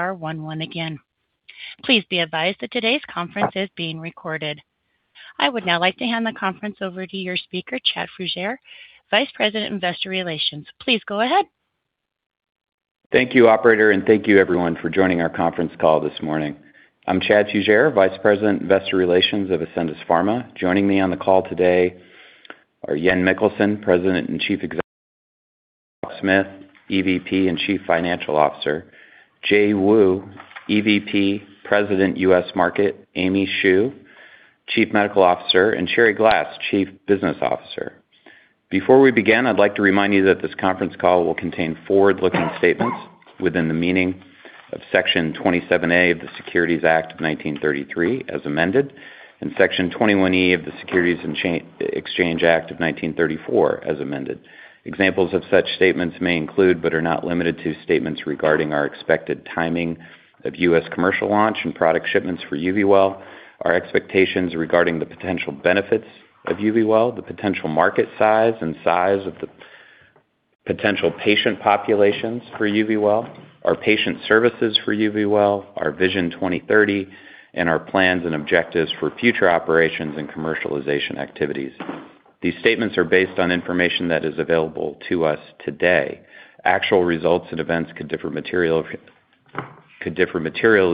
Star one one again. Please be advised that today's conference is being recorded. I would now like to hand the conference over to your speaker, Chad Fugere, Vice President, Investor Relations. Please go ahead. Thank you, operator. Thank you everyone for joining our conference call this morning. I'm Chad Fugere, Vice President, Investor Relations of Ascendis Pharma. Joining me on the call today are Jan Mikkelsen, President and Chief Executive; Rob Smith, EVP and Chief Financial Officer; Jay Wu, EVP, President, US Market; Amy Xu, Chief Medical Officer, and Sherri Glass, Chief Business Officer. Before we begin, I'd like to remind you that this conference call will contain forward-looking statements within the meaning of Section 27A of the Securities Act of 1933 as amended, and Section 21E of the Securities and Exchange Act of 1934 as amended. Examples of such statements may include, but are not limited to, statements regarding our expected timing of U.S. commercial launch and product shipments for YUVIWEL, our expectations regarding the potential benefits of YUVIWEL, the potential market size and size of the potential patient populations for YUVIWEL, our patient services for YUVIWEL, our Vision 2030, our plans and objectives for future operations and commercialization activities. These statements are based on information that is available to us today. Actual results and events could differ materially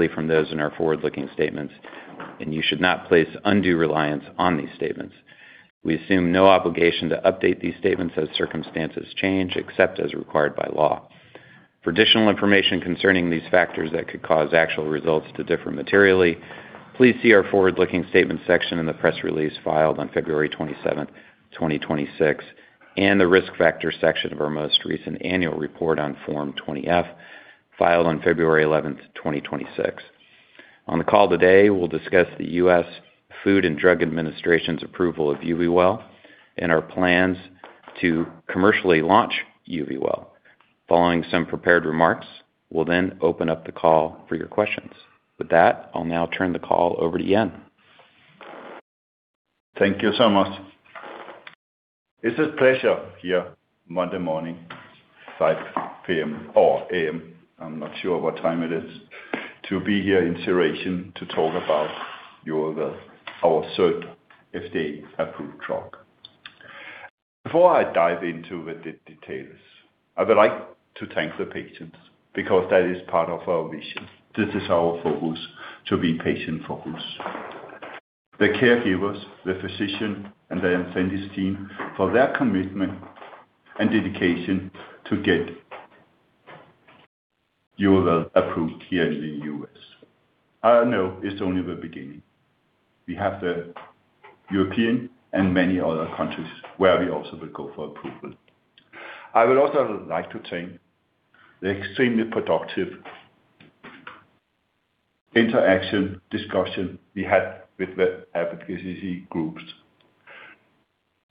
from those in our forward-looking statements, and you should not place undue reliance on these statements. We assume no obligation to update these statements as circumstances change, except as required by law. For additional information concerning these factors that could cause actual results to differ materially, please see our forward-looking statements section in the press release filed on 27th February2026, and the Risk Factors section of our most recent annual report on Form 20-F, filed on 11th February 2026. On the call today, we'll discuss the U.S. Food and Drug Administration's approval of YUVIWEL and our plans to commercially launch YUVIWEL. Following some prepared remarks, we'll then open up the call for your questions. With that, I'll now turn the call over to Jan. Thank you so much. It's a pleasure here Monday morning, 5 P.M. or A.M., I'm not sure what time it is, to be here in celebration to talk about YUVIWEL, our third FDA-approved drug. Before I dive into the details, I would like to thank the patients because that is part of our mission. This is our focus, to be patient-focused. The caregivers, the physician, and the Ascendis team for their commitment and dedication to get YUVIWEL approved here in the U.S. I know it's only the beginning. We have the European and many other countries where we also will go for approval. I would also like to thank the extremely productive interaction discussion we had with the advocacy groups.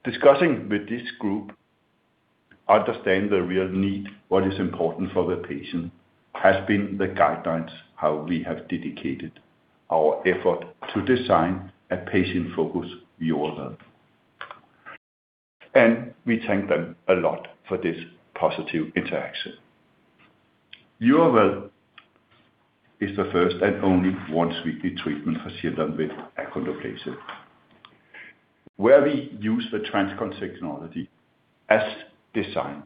Discussing with this group, understand the real need, what is important for the patient, has been the guidelines, how we have dedicated our effort to design a patient-focused YUVIWEL. We thank them a lot for this positive interaction. YUVIWEL is the first and only once weekly treatment for children with achondroplasia, where we use the TransCon technology as designed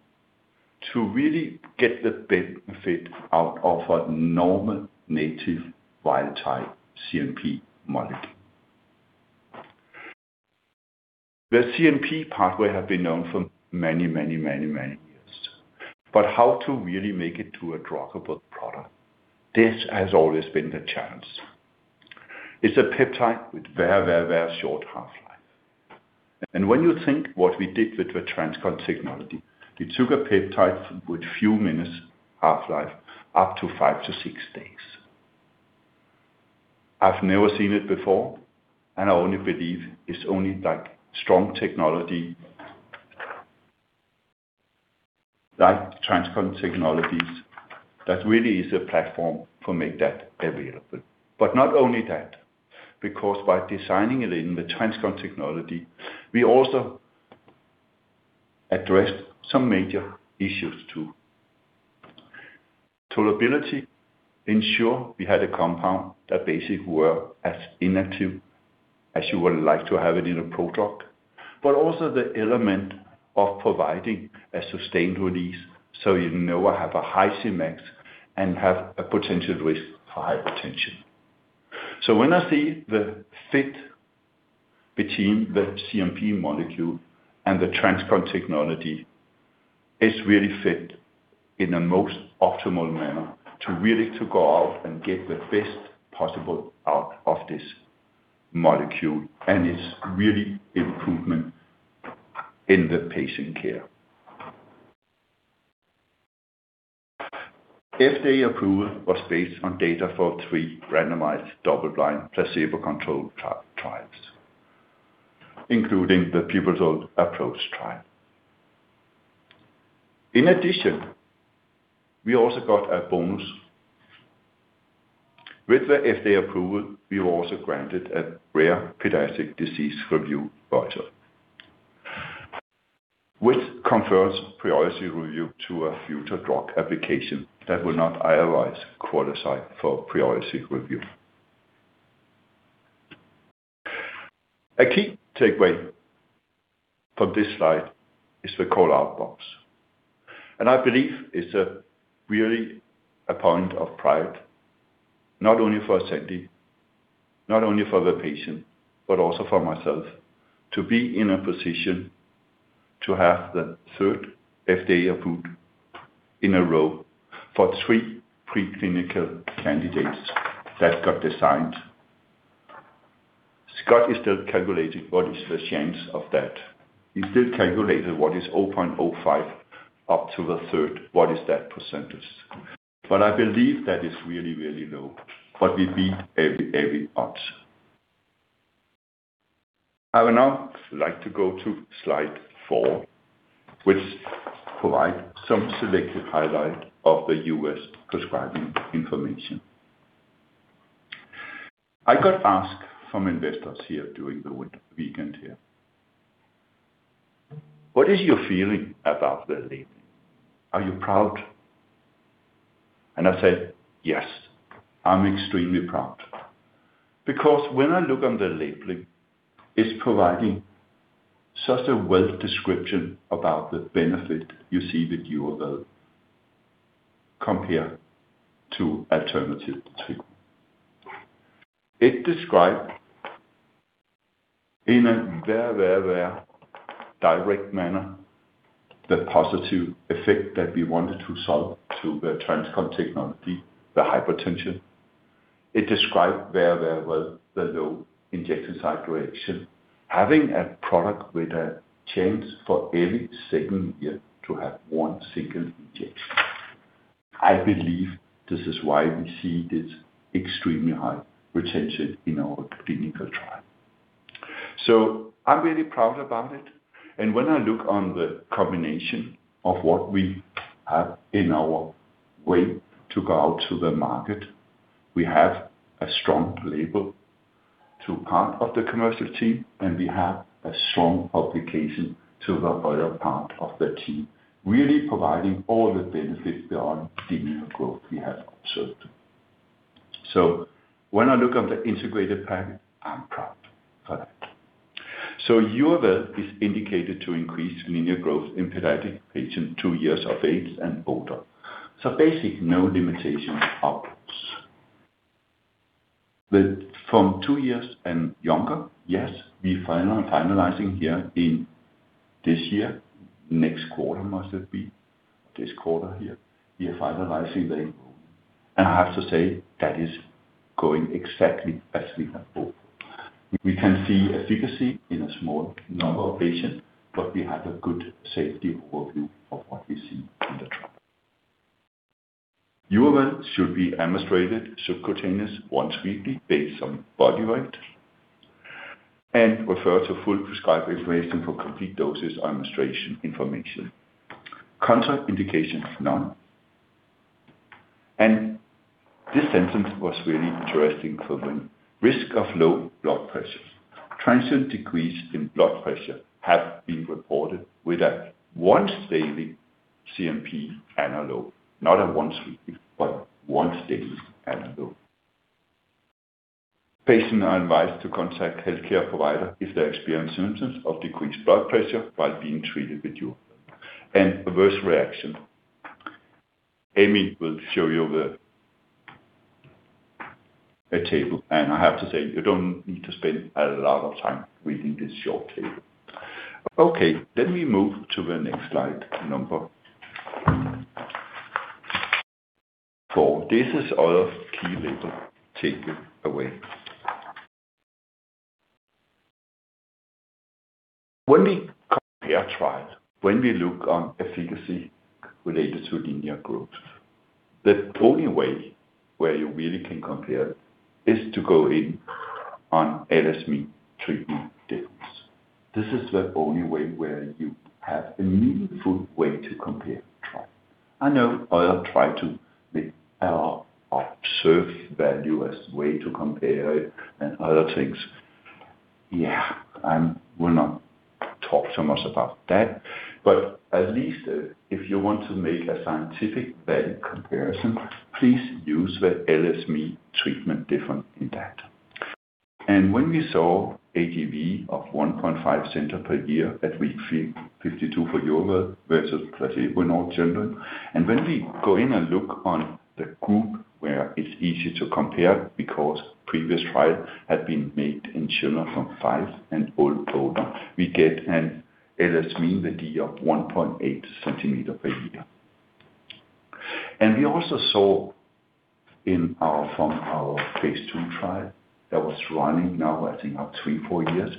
to really get the benefit out of a normal native wild-type CNP molecule. The CNP pathway have been known for many, many, many, many years. How to really make it to a druggable product, this has always been the challenge. It's a peptide with very short half-life. When you think what we did with the TransCon technology, we took a peptide with few minutes half-life, up to five to six days. I've never seen it before, and I only believe it's only that strong technology like TransCon technologies that really is a platform to make that available. Not only that, because by designing it in the TransCon technology, we also addressed some major issues, too. Tolerability ensure we had a compound that basically work as inactive as you would like to have it in a product. Also the element of providing a sustained release, so you never have a high Cmax and have a potential risk for hypertension. When I see the fit between the CNP molecule and the TransCon technology, it's really fit in the most optimal manner to really go out and get the best possible out of this molecule, and it's really improvement in the patient care. FDA approval was based on data for three randomized double-blind placebo-controlled trials, including the pivotal ApproaCH Trial. In addition, we also got a bonus. With the FDA approval, we were also granted a Rare Pediatric Disease Priority Review Voucher, which confers priority review to a future drug application that will not otherwise qualify for priority review. A key takeaway from this slide is the call out box. I believe it's really a point of pride, not only for Sandy, not only for the patient, but also for myself, to be in a position to have the FDA approved in a row for three preclinical candidates that got designed. Scott is still calculating what is the chance of that. He still calculated what is 0.05 up to the third, what is that percentage? I believe that is really, really low. We beat every odds. I would now like to go to slide four, which provide some selected highlights of the U.S. prescribing information. I got asked from investors here during the winter weekend here, "What is your feeling about the labeling? Are you proud?" I said, "Yes, I'm extremely proud." When I look on the labeling, it's providing such a wealth description about the benefit you see with YUVIWEL compared to alternative treatment. It describe in a very, very, very direct manner the positive effect that we wanted to solve to the TransCon technology, the hypertension. It described very, very well the low injection site reaction. Having a product with a chance for every second year to have one single injection. I believe this is why we see this extremely high retention in our clinical trial. I'm really proud about it. When I look on the combination of what we have in our way to go out to the market, we have a strong label to part of the commercial team, and we have a strong application to the other part of the team, really providing all the benefits beyond linear growth we have observed. When I look on the integrated package, I'm proud for that. YUVIWEL is indicated to increase linear growth in pediatric patients two years of age and older. Basically no limitations upwards. From two years and younger, yes, we finalizing here in this year, next quarter must it be, this quarter here, we are finalizing. When we compare trials, when we look on efficacy related to linear growth, the only way where you really can compare is to go in on LS mean treatment difference. This is the only way where you have a meaningful way to compare trial. I know others try to observe value as way to compare it and other things. Yeah, I will not talk so much about that. At least if you want to make a scientific value comparison, please use the LS mean treatment difference in that. When we saw AGV of 1.5 cm per year at week 52 for YUVIWEL versus placebo in all children, and when we go in and look on the group where it's easy to compare because previous trial had been made in children from five and all older, we get an LS mean value of 1.8 cm per year. We also saw from our phase II trial that was running now I think about three, four years.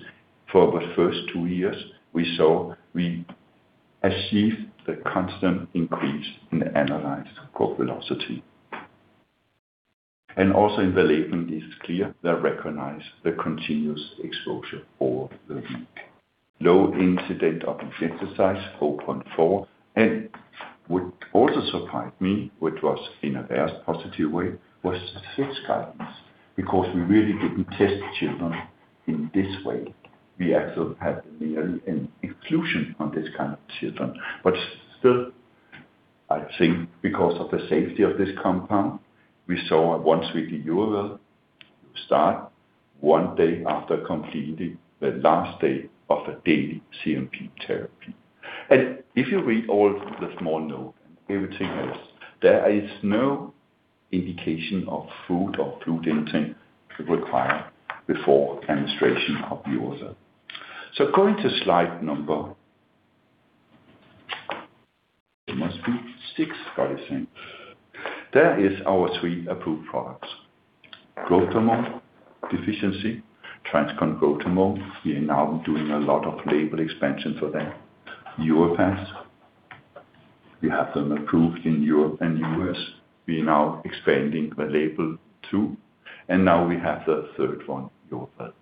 For the first two years, we achieved the constant increase in the analyzed growth velocity. Also in the labeling it is clear they recognize the continuous exposure over the week. Low incident of injection site, 4.4. What also surprised me, which was in a very positive way, was the fifth guidance, because we really didn't test children in this way. We actually had nearly an exclusion on this kind of children. Still, I think because of the safety of this compound, we saw a once-weekly UBL start one day after completing the last day of a daily CNP therapy. If you read all the small note and everything else, there is no indication of food or food intake required before administration of the UBL. Going to slide number, it must be six by the same. There is our three approved products. Growth hormone deficiency, TransCon hGH. We are now doing a lot of label expansion for that. YORVIPATH, we have them approved in Europe and U.S. We are now expanding the label too. Now we have the third one, YUVIWEL.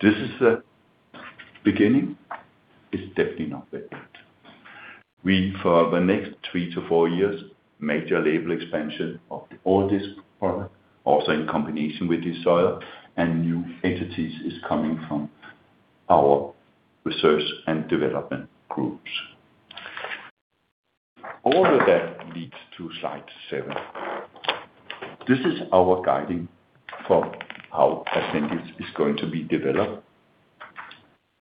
This is the beginning. It's definitely not the end. We, for the next three to four years, major label expansion of all this product, also in combination with this soil, and new entities is coming from our research and development groups. All of that leads to slide seven. This is our guiding for how Ascendis is going to be developed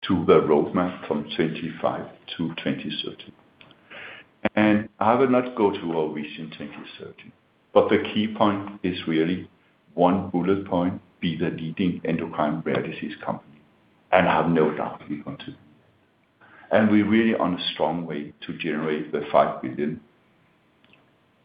to the roadmap from 2025 to 2030. I will not go to our Vision 2030, but the key point is really one bullet point, be the leading endocrine rare disease company. I have no doubt we want to. We're really on a strong way to generate the $5 billion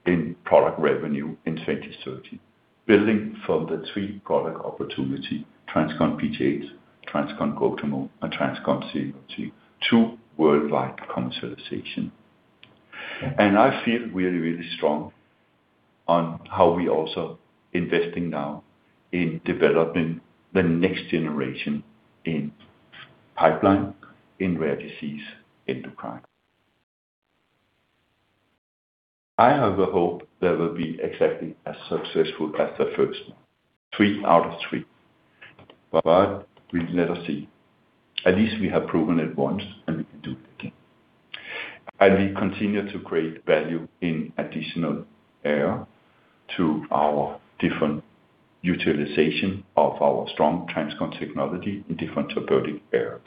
in product revenue in 2030, building from the three product opportunity, TransCon PTH, TransCon Growth Hormone, and TransCon CNP, to worldwide commercialization. I feel really, really strong on how we also investing now in developing the next generation in pipeline in rare disease endocrine. I have the hope that we'll be exactly as successful as the first one, 3/3. We'll never see. At least we have proven it once, and we can do it again. We continue to create value in additional area to our different utilization of our strong TransCon technology in different therapeutic areas.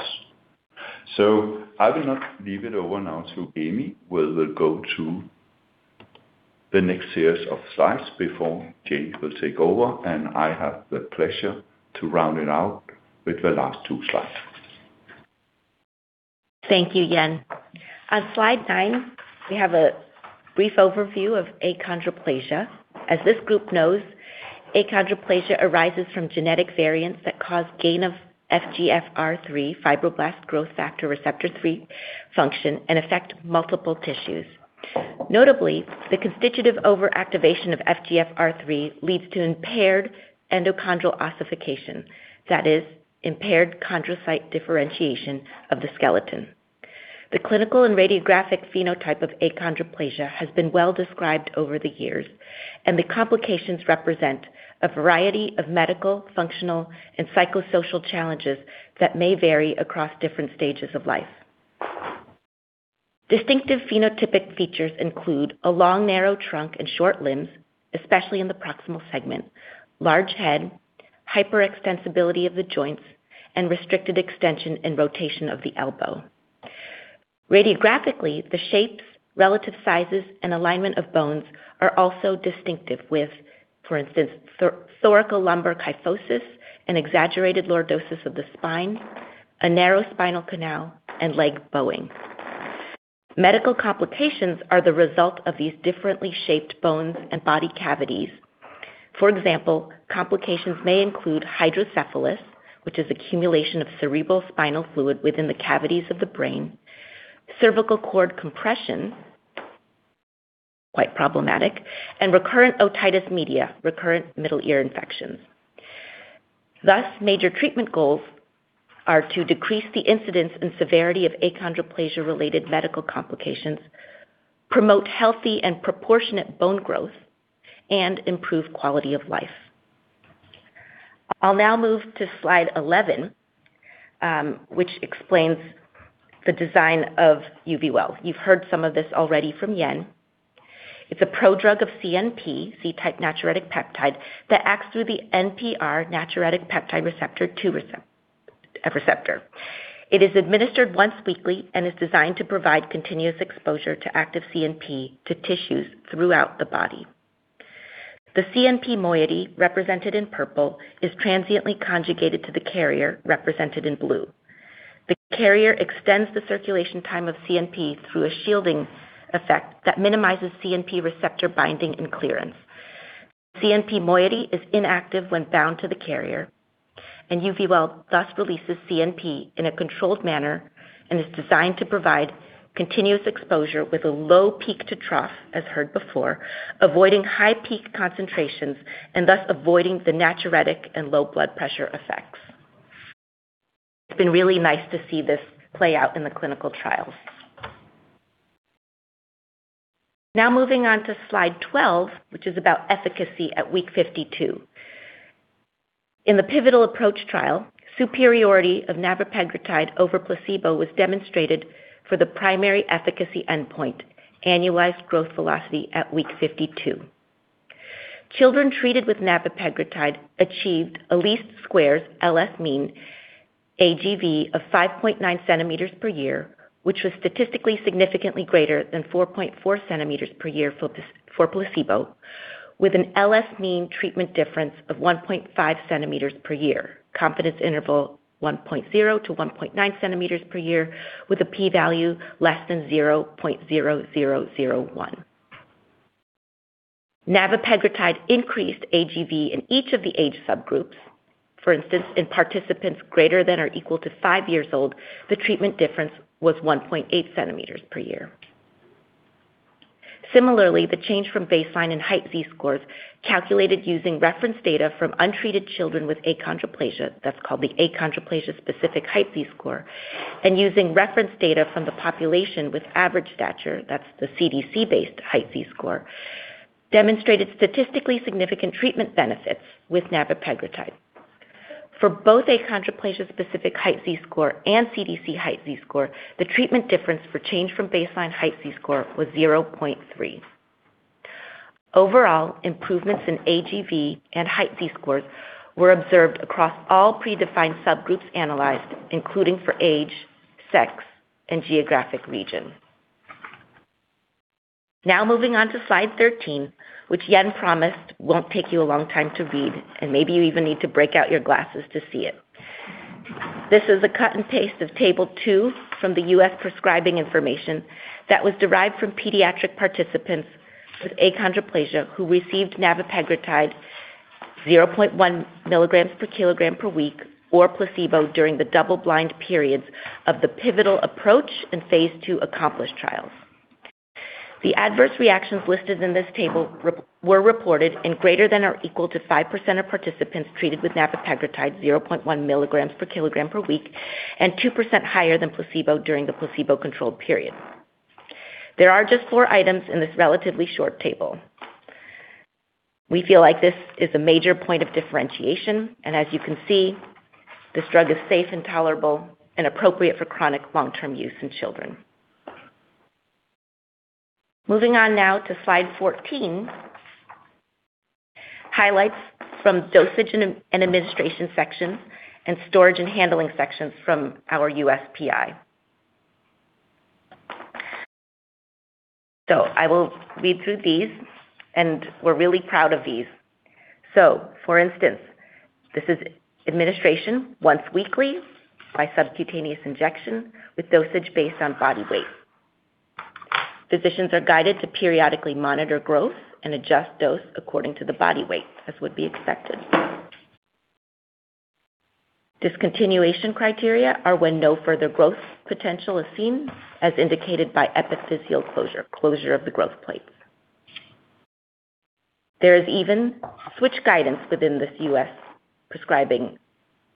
I will now leave it over now to Amy, where we'll go to the next series of slides before Jan will take over. I have the pleasure to round it out with the last two slides. Thank you, Jan. On slide nine, we have a brief overview of achondroplasia. As this group knows, achondroplasia arises from genetic variants that cause gain of FGFR3, fibroblast growth factor receptor 3 function, and affect multiple tissues. Notably, the constitutive overactivation of FGFR3 leads to impaired endochondral ossification, that is impaired chondrocyte differentiation of the skeleton. The clinical and radiographic phenotype of achondroplasia has been well described over the years. The complications represent a variety of medical, functional, and psychosocial challenges that may vary across different stages of life. Distinctive phenotypic features include a long narrow trunk and short limbs, especially in the proximal segment, large head, hyperextensibility of the joints, and restricted extension and rotation of the elbow. Radiographically, the shapes, relative sizes, and alignment of bones are also distinctive with, for instance, thoracolumbar kyphosis, an exaggerated lordosis of the spine, a narrow spinal canal, and leg bowing. Medical complications are the result of these differently shaped bones and body cavities. For example, complications may include hydrocephalus, which is accumulation of cerebral spinal fluid within the cavities of the brain, cervical cord compression, quite problematic, and recurrent otitis media, recurrent middle ear infections. Thus, major treatment goals are to decrease the incidence and severity of achondroplasia-related medical complications, promote healthy and proportionate bone growth, and improve quality of life. I'll now move to slide 11, which explains the design of YUVIWEL. You've heard some of this already from Jan. It's a prodrug of CNP, C-type natriuretic peptide, that acts through the NPR, natriuretic peptide receptor two receptor. It is administered once weekly and is designed to provide continuous exposure to active CNP to tissues throughout the body. The CNP moiety, represented in purple, is transiently conjugated to the carrier, represented in blue. The carrier extends the circulation time of CNP through a shielding effect that minimizes CNP receptor binding and clearance. CNP moiety is inactive when bound to the carrier, and YUVIWEL thus releases CNP in a controlled manner and is designed to provide continuous exposure with a low peak to trough, as heard before, avoiding high peak concentrations and thus avoiding the natriuretic and low blood pressure effects. It's been really nice to see this play out in the clinical trials. Now moving on to slide 12, which is about efficacy at week 52. In the pivotal ApproaCH Trial, superiority of navepegritide over placebo was demonstrated for the primary efficacy endpoint, annualized growth velocity at week 52. Children treated with navepegritide achieved a least squares LS mean AGV of 5.9 cms per year, which was statistically significantly greater than 4.4 cms per year for placebo, with an LS mean treatment difference of 1.5 cms per year, confidence interval 1.0-1.9 cms per year with a P value < 0.0001. Navepegritide increased AGV in each of the age subgroups. For instance, in participants greater than or equal to five years old, the treatment difference was 1.8 cms per year. Similarly, the change from baseline in height Z-scores calculated using reference data from untreated children with achondroplasia, that's called the achondroplasia specific height Z-score, and using reference data from the population with average stature, that's the CDC-based height Z-score, demonstrated statistically significant treatment benefits with navepegritide. For both achondroplasia specific height Z-score and CDC height Z-score, the treatment difference for change from baseline height Z-score was 0.3. Overall, improvements in AGV and height Z-scores were observed across all predefined subgroups analyzed, including for age, sex, and geographic region. Moving on to slide 13, which Jan promised won't take you a long time to read, and maybe you even need to break out your glasses to see it. This is a cut and paste of table 2 from the US prescribing information that was derived from pediatric participants with achondroplasia who received navepegritide 0.1 milligrams per kilogram per week or placebo during the double-blind periods of the pivotal ApproaCH Trial and phase II ACcomplisH trials. The adverse reactions listed in this table were reported in greater than or equal to 5% of participants treated with navepegritide 0.1 milligrams per kilogram per week and 2% higher than placebo during the placebo-controlled period. There are just four items in this relatively short table. We feel like this is a major point of differentiation. As you can see, this drug is safe and tolerable and appropriate for chronic long-term use in children. Moving on now to slide 14, highlights from dosage and administration sections and storage and handling sections from our USPI. I will read through these, and we're really proud of these. For instance, this is administration once weekly by subcutaneous injection with dosage based on body weight. Physicians are guided to periodically monitor growth and adjust dose according to the body weight, as would be expected. Discontinuation criteria are when no further growth potential is seen, as indicated by epiphyseal closure of the growth plates. There is even switch guidance within this US prescribing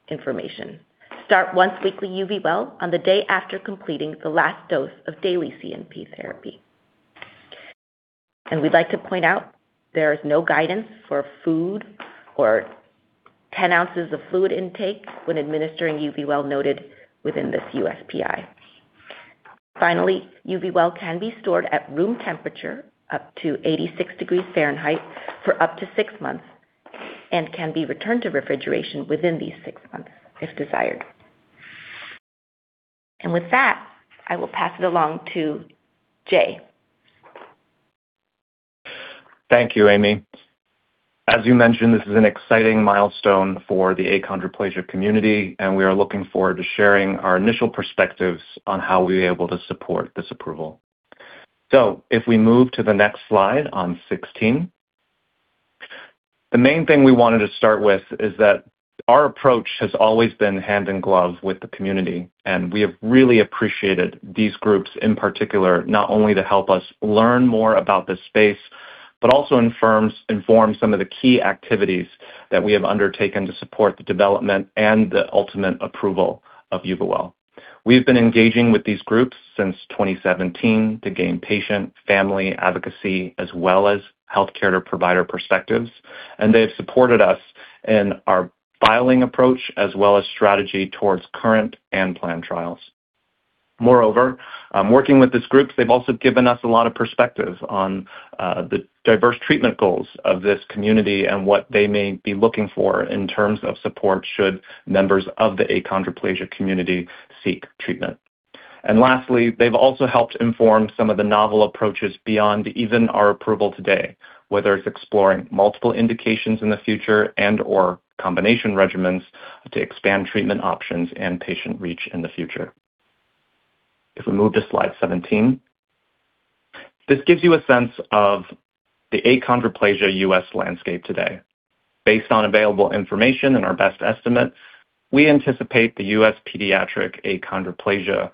information. Start once weekly YUVIWEL on the day after completing the last dose of daily CNP therapy. We'd like to point out there is no guidance for food or 10 ounces of fluid intake when administering YUVIWEL noted within this USPI. Finally, YUVIWEL can be stored at room temperature up to 86 degrees Fahrenheit for up to 6 months and can be returned to refrigeration within these six months if desired. With that, I will pass it along to Jay. Thank you, Aimee. As you mentioned, this is an exciting milestone for the achondroplasia community. We are looking forward to sharing our initial perspectives on how we'll be able to support this approval. If we move to the next slide on 16. The main thing we wanted to start with is that our approach has always been hand in glove with the community. We have really appreciated these groups in particular, not only to help us learn more about this space, but also inform some of the key activities that we have undertaken to support the development and the ultimate approval of YUVIWEL. We've been engaging with these groups since 2017 to gain patient, family advocacy, as well as healthcare provider perspectives. They have supported us in our filing approach as well as strategy towards current and planned trials. Moreover, working with this group, they've also given us a lot of perspective on the diverse treatment goals of this community and what they may be looking for in terms of support should members of the achondroplasia community seek treatment. Lastly, they've also helped inform some of the novel approaches beyond even our approval today, whether it's exploring multiple indications in the future and/or combination regimens to expand treatment options and patient reach in the future. If we move to slide 17. This gives you a sense of the achondroplasia U.S. landscape today. Based on available information and our best estimates, we anticipate the U.S. pediatric achondroplasia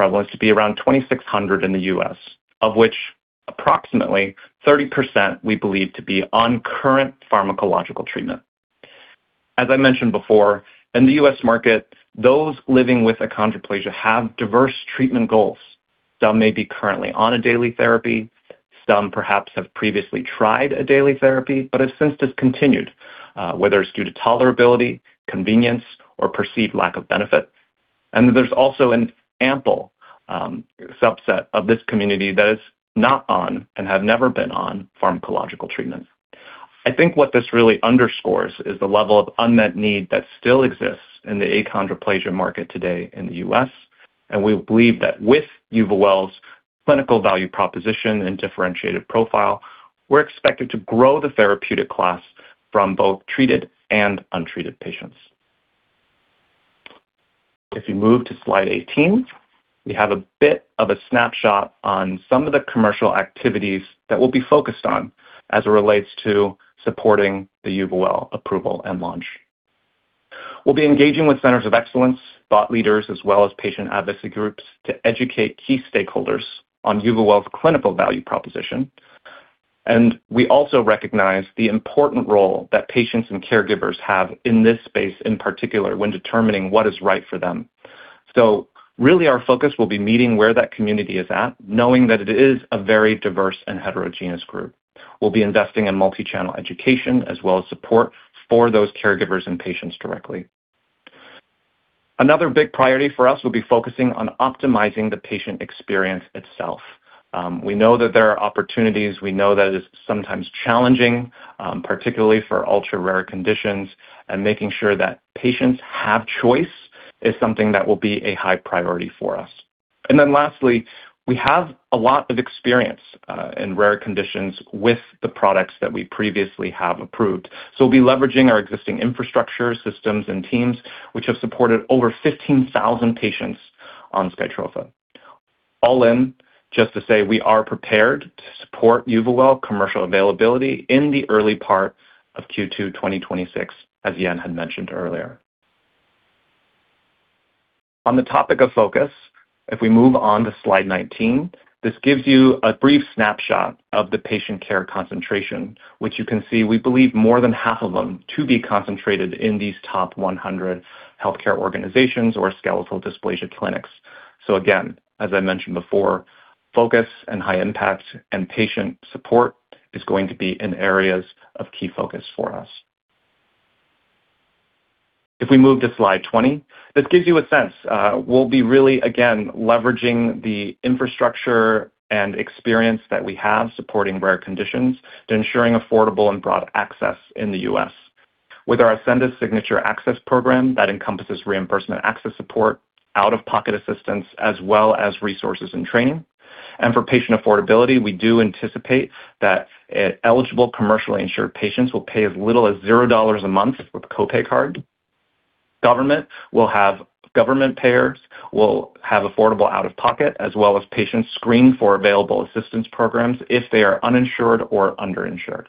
prevalence to be around 2,600 in the U.S., of whichApproximately 30% we believe to be on current pharmacological treatment. As I mentioned before, in the U.S. market, those living with achondroplasia have diverse treatment goals. Some may be currently on a daily therapy, some perhaps have previously tried a daily therapy but have since discontinued, whether it's due to tolerability, convenience, or perceived lack of benefit. There's also an ample subset of this community that is not on and have never been on pharmacological treatment. I think what this really underscores is the level of unmet need that still exists in the achondroplasia market today in the U.S., and we believe that with YUVIWEL's clinical value proposition and differentiated profile, we're expected to grow the therapeutic class from both treated and untreated patients. If you move to slide 18, we have a bit of a snapshot on some of the commercial activities that we'll be focused on as it relates to supporting the YUVIWEL approval and launch. We'll be engaging with centers of excellence, thought leaders, as well as patient advocacy groups to educate key stakeholders on YUVIWEL's clinical value proposition. We also recognize the important role that patients and caregivers have in this space, in particular, when determining what is right for them. Really our focus will be meeting where that community is at, knowing that it is a very diverse and heterogeneous group. We'll be investing in multi-channel education as well as support for those caregivers and patients directly. Another big priority for us will be focusing on optimizing the patient experience itself. We know that there are opportunities. We know that it is sometimes challenging, particularly for ultra-rare conditions, and making sure that patients have choice is something that will be a high priority for us. Lastly, we have a lot of experience in rare conditions with the products that we previously have approved. We'll be leveraging our existing infrastructure systems and teams, which have supported over 15,000 patients on SKYTROFA. All in, just to say we are prepared to support YUVIWEL commercial availability in the early part of Q2 2026, as Jan had mentioned earlier. On the topic of focus, if we move on to slide 19, this gives you a brief snapshot of the patient care concentration, which you can see we believe more than half of them to be concentrated in these top 100 healthcare organizations or skeletal dysplasia clinics. Again, as I mentioned before, focus and high impact and patient support is going to be in areas of key focus for us. If we move to slide 20, this gives you a sense. We'll be really again leveraging the infrastructure and experience that we have supporting rare conditions to ensuring affordable and broad access in the U.S. With our Ascendis Signature Access Program that encompasses reimbursement access support, out-of-pocket assistance, as well as resources and training. For patient affordability, we do anticipate that eligible commercially insured patients will pay as little as $0 a month with a co-pay card. Government payers will have affordable out-of-pocket as well as patients screened for available assistance programs if they are uninsured or underinsured.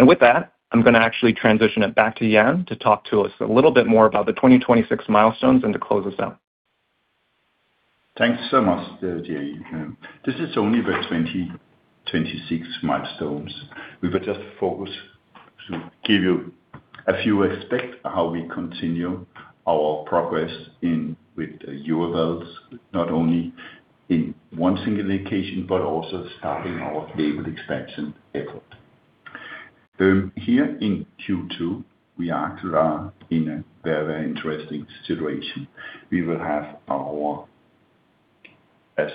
With that, I'm going to actually transition it back to Jan to talk to us a little bit more about the 2026 milestones and to close us out. Thanks so much, Jay. This is only the 2026 milestones. We will just focus to give you a few aspects how we continue our progress in with YUVIWEL's, not only in one single indication but also starting our label expansion effort. Here in Q2, we are in a very, very interesting situation. We will have our, as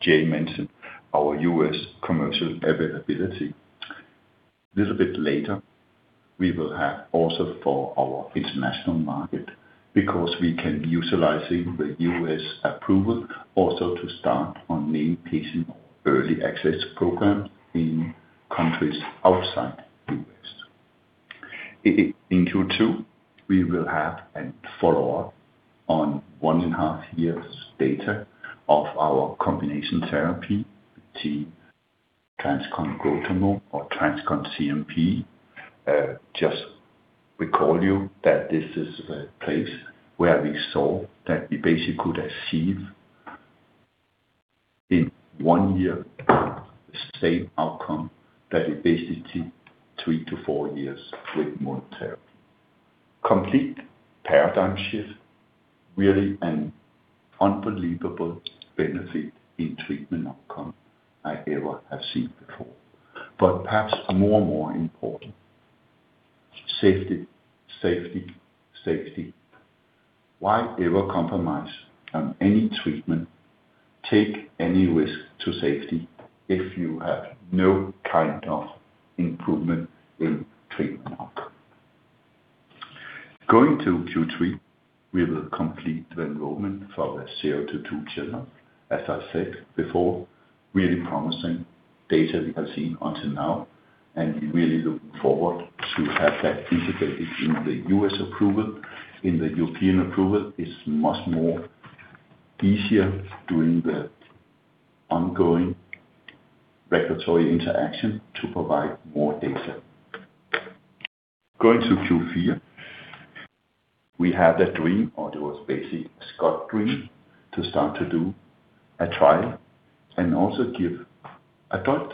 Jay mentioned, our U.S. commercial availability. Little bit later, we will have also for our international market because we can be utilizing the U.S. approval also to start on name patient early access program in countries outside U.S. In Q2, we will have and follow up on 1.5 years data of our combination therapy, TransCon CNP. Just recall you that this is a place where we saw that we basically could achieve in one year the same outcome that it basically took three to four years with monotherapy. Complete paradigm shift, really an unbelievable benefit in treatment outcome I ever have seen before. Perhaps more and more important, safety, safety. Why ever compromise on any treatment, take any risk to safety if you have no kind of improvement in treatment outcome? Going to Q3, we will complete the enrollment for the zero to two children. As I said before, really promising data we have seen until now, and we really look forward to have that integrated in the U.S. approval. In the European approval is much more easier doing the ongoing regulatory interaction to provide more data. Going to Q4. We have the dream, or it was basically Scott dream, to start to do a trial and also give adult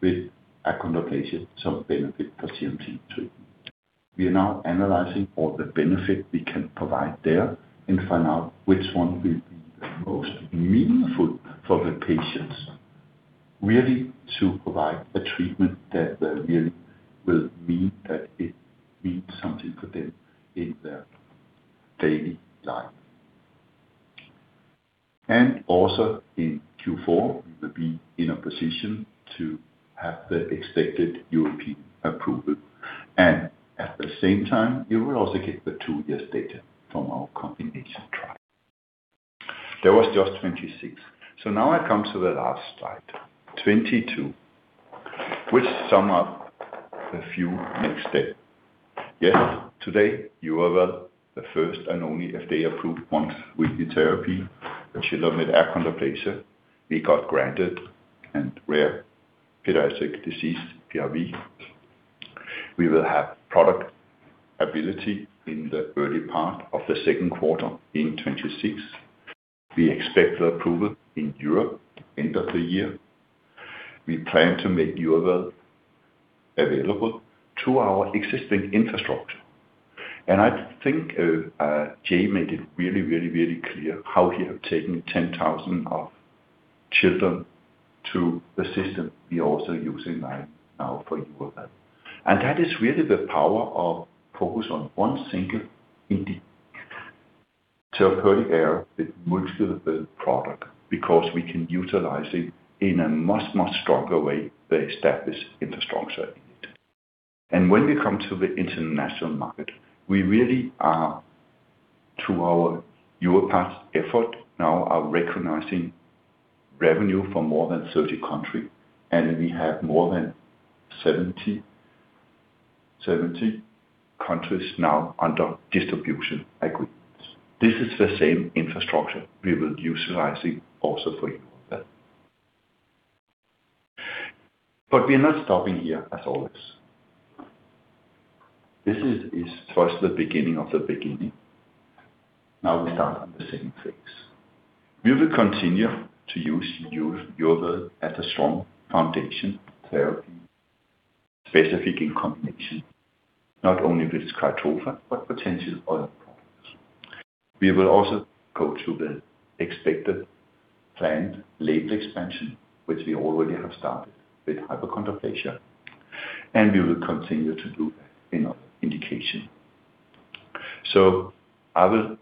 with achondroplasia some benefit for CNP treatment. We are now analyzing all the benefit we can provide there and find out which one will be most meaningful for the patients, really to provide a treatment that really will mean that it means something to them in their daily life. Also in Q4, we will be in a position to have the expected European approval. At the same time, you will also get the two years data from our combination trial. There was just 26. Now I come to the last slide, 22, which sum up the few next step. Yes, today YUVIWEL the first and only FDA-approved once-weekly therapy for children with achondroplasia. We got granted and Rare Pediatric Disease PRV. We will have product ability in the early part of the second quarter in 2026. We expect the approval in Europe end of the year. We plan to make YUVIWEL available to our existing infrastructure. I think Jay made it really, really, really clear how he have taken 10,000 of children to the system we are also using right now for YUVIWEL. That is really the power of focus on one single therapeutic area that works with the product, because we can utilize it in a much, much stronger way the established infrastructure in it. When we come to the international market, we really are, through our Europe path effort now are recognizing revenue from more than 30 country, and we have more than 70 countries now under distribution agreements. This is the same infrastructure we will utilizing also for you with that. We are not stopping here as always. This is just the beginning of the beginning. We start on the same phase. We will continue to use YUVIWEL as a strong foundation therapy, specific in combination, not only with risdiplam, but potential other products. We will also go to the expected planned label expansion, which we already have started with hypochondroplasia, and we will continue to do in our indication. I will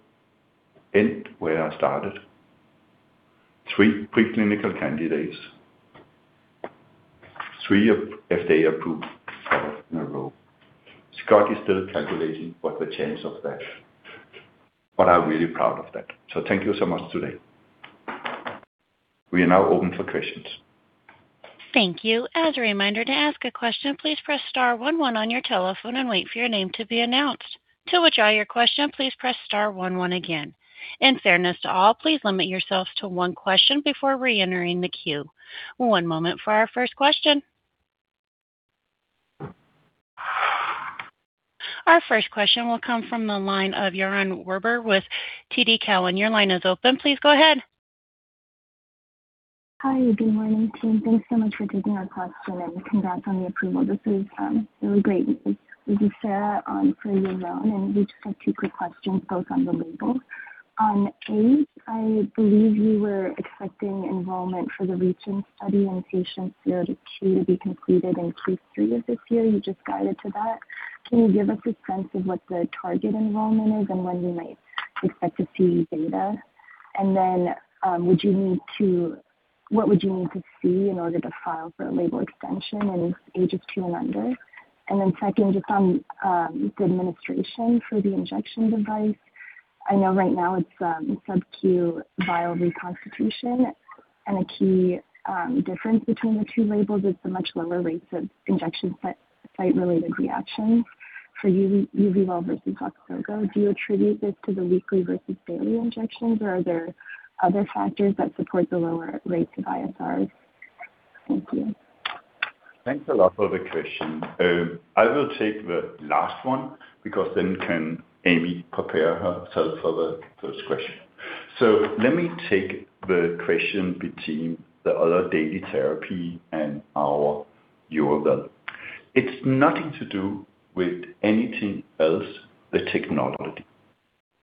end where I started. Three pre-clinical candidates, three of FDA-approved products in a row. Scott is still calculating what the chance of that, but I'm really proud of that. Thank you so much today. We are now open for questions. Thank you. As a reminder to ask a question, please press star one one on your telephone and wait for your name to be announced. To withdraw your question, please press star one one again. In fairness to all, please limit yourself to one question before reentering the queue. One moment for our first question. Our first question will come from the line of Yaron Werber with TD Cowen. Your line is open. Please go ahead. Hi. Good morning, team. Thanks so much for taking our question and congrats on the approval. This is really great news. This is Sarah on for Yaran. We just have two quick questions both on the label. A, I believe you were expecting enrollment for the reACHin study in patients zero to two to be completed in Q3 of this year. You just guided to that. Can you give us a sense of what the target enrollment is and when we might expect to see data? What would you need to see in order to file for a label extension in age two and under? Second, just on the administration for the injection device. I know right now it's sub-Q vial reconstitution. A key difference between the two labels is the much lower rates of injection site related reactions for YUVIWEL versus Voxzogo. Do you attribute this to the weekly versus daily injections, or are there other factors that support the lower rates of ISRs? Thank you. Thanks a lot for the question. I will take the last one because then can Amy prepare herself for the first question. Let me take the question between the other daily therapy and our YUVIWEL. It's nothing to do with anything else, the technology.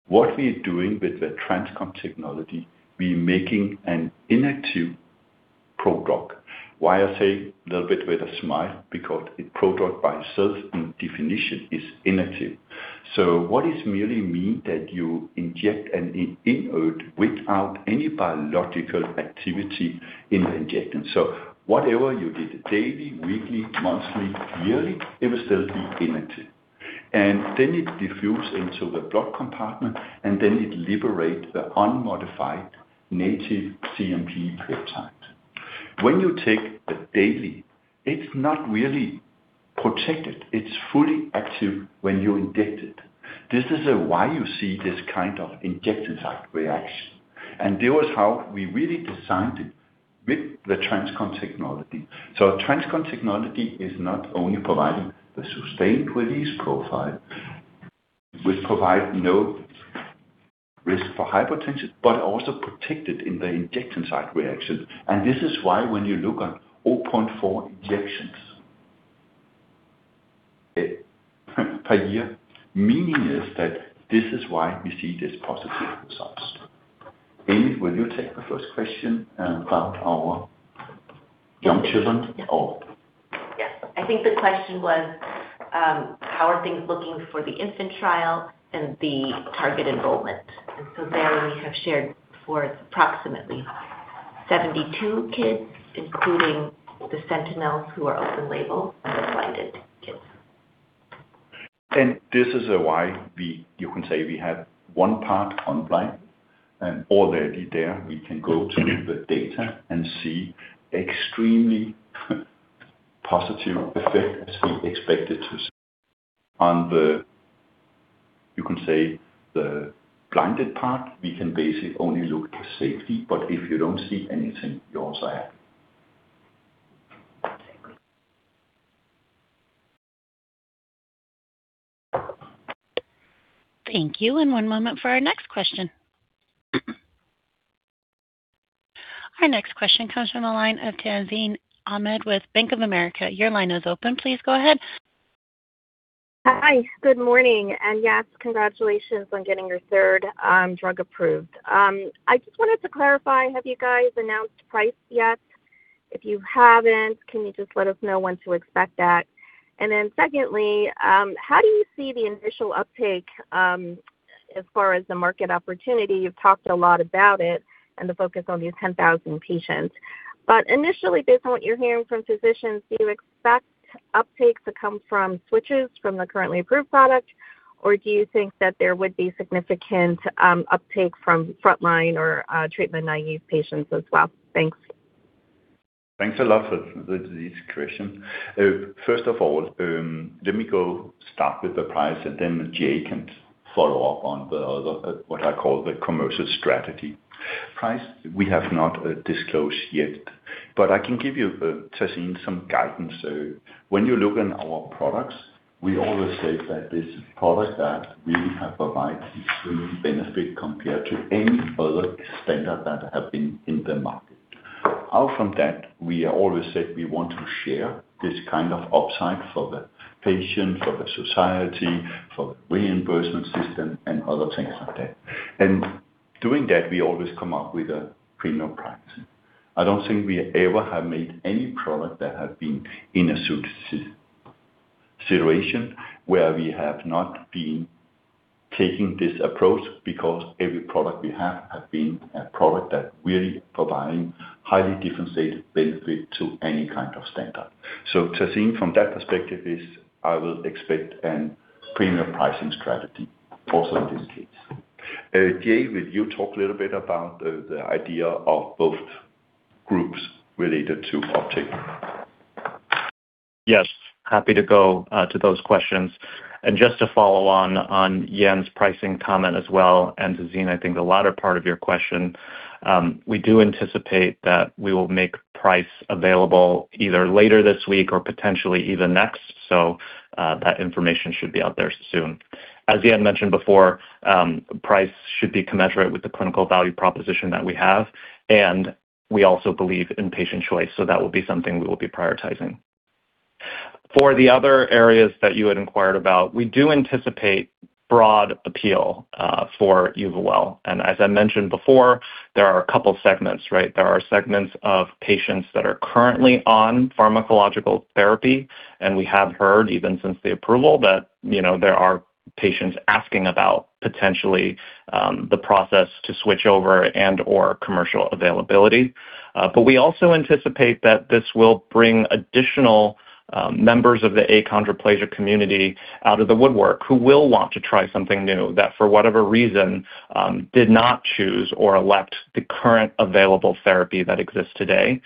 What we are doing with the TransCon technology, we making an inactive product. Why I say little bit with a smile, because a product by itself in definition is inactive. What this merely mean that you inject an inert without any biological activity in the injection. Whatever you did daily, weekly, monthly, yearly, it will still be inactive. Then it diffuse into the blood compartment, then it liberate the unmodified native CNP peptides. When you take the daily, it's not really protected. It's fully active when you inject it. This is why you see this kind of injection site reaction. That was how we really designed it. With the TransCon technology. TransCon technology is not only providing the sustained release profile, which provide no risk for hypertension, but also protected in the injection site reaction. This is why when you look at 0.4 injections per year, meaning is that this is why we see this positive results. Aimee, will you take the first question about our young children? Yes. I think the question was, how are things looking for the infant trial and the target enrollment? There we have shared for approximately 72 kids, including the sentinels who are open label and the blinded kids. This is why we, you can say we had one part on blind and already there we can go to the data and see extremely positive effect as we expected to see. On the, you can say the blinded part, we can basically only look at safety, but if you don't see anything, you're also happy. Thank you. One moment for our next question. Our next question comes from the line of Tazeen Ahmad with Bank of America. Your line is open. Please go ahead. Hi. Good morning. Yes, congratulations on getting your third drug approved. I just wanted to clarify, have you guys announced price yet? If you haven't, can you just let us know when to expect that? Secondly, how do you see the initial uptake as far as the market opportunity? You've talked a lot about it and the focus on these 10,000 patients. Initially, based on what you're hearing from physicians, do you expect uptake to come from switches from the currently approved product, or do you think that there would be significant uptake from frontline or treatment naive patients as well? Thanks. Thanks a lot for this question. First of all, let me go start with the price and then Jay can follow up on the other, what I call the commercial strategy. Price, we have not disclosed yet, but I can give you, Tazeen, some guidance. When you look in our products, we always say that this product that really have provided extreme benefit compared to any other standard that have been in the market. Out from that, we always said we want to share this kind of upside for the patient, for the society, for reimbursement system and other things like that. Doing that, we always come up with a premium price. I don't think we ever have made any product that have been in a situation where we have not been taking this approach because every product we have have been a product that really providing highly differentiated benefit to any kind of standard. Tazeen, from that perspective is I will expect an premium pricing strategy also in this case. Jay, will you talk a little bit about the idea of both groups related to uptake? Yes, happy to go to those questions. Just to follow on Jan's pricing comment as well, and Tazeen, I think the latter part of your question, we do anticipate that we will make price available either later this week or potentially even next. That information should be out there soon. As Jan mentioned before, price should be commensurate with the clinical value proposition that we have, and we also believe in patient choice, so that will be something we will be prioritizing. For the other areas that you had inquired about, we do anticipate broad appeal for YUVIWEL. As I mentioned before, there are a couple segments, right? There are segments of patients that are currently on pharmacological therapy, and we have heard even since the approval that, you know, there are patients asking about potentially the process to switch over and/or commercial availability. We also anticipate that this will bring additional members of the achondroplasia community out of the woodwork who will want to try something new that for whatever reason, did not choose or elect the current available therapy that exists today.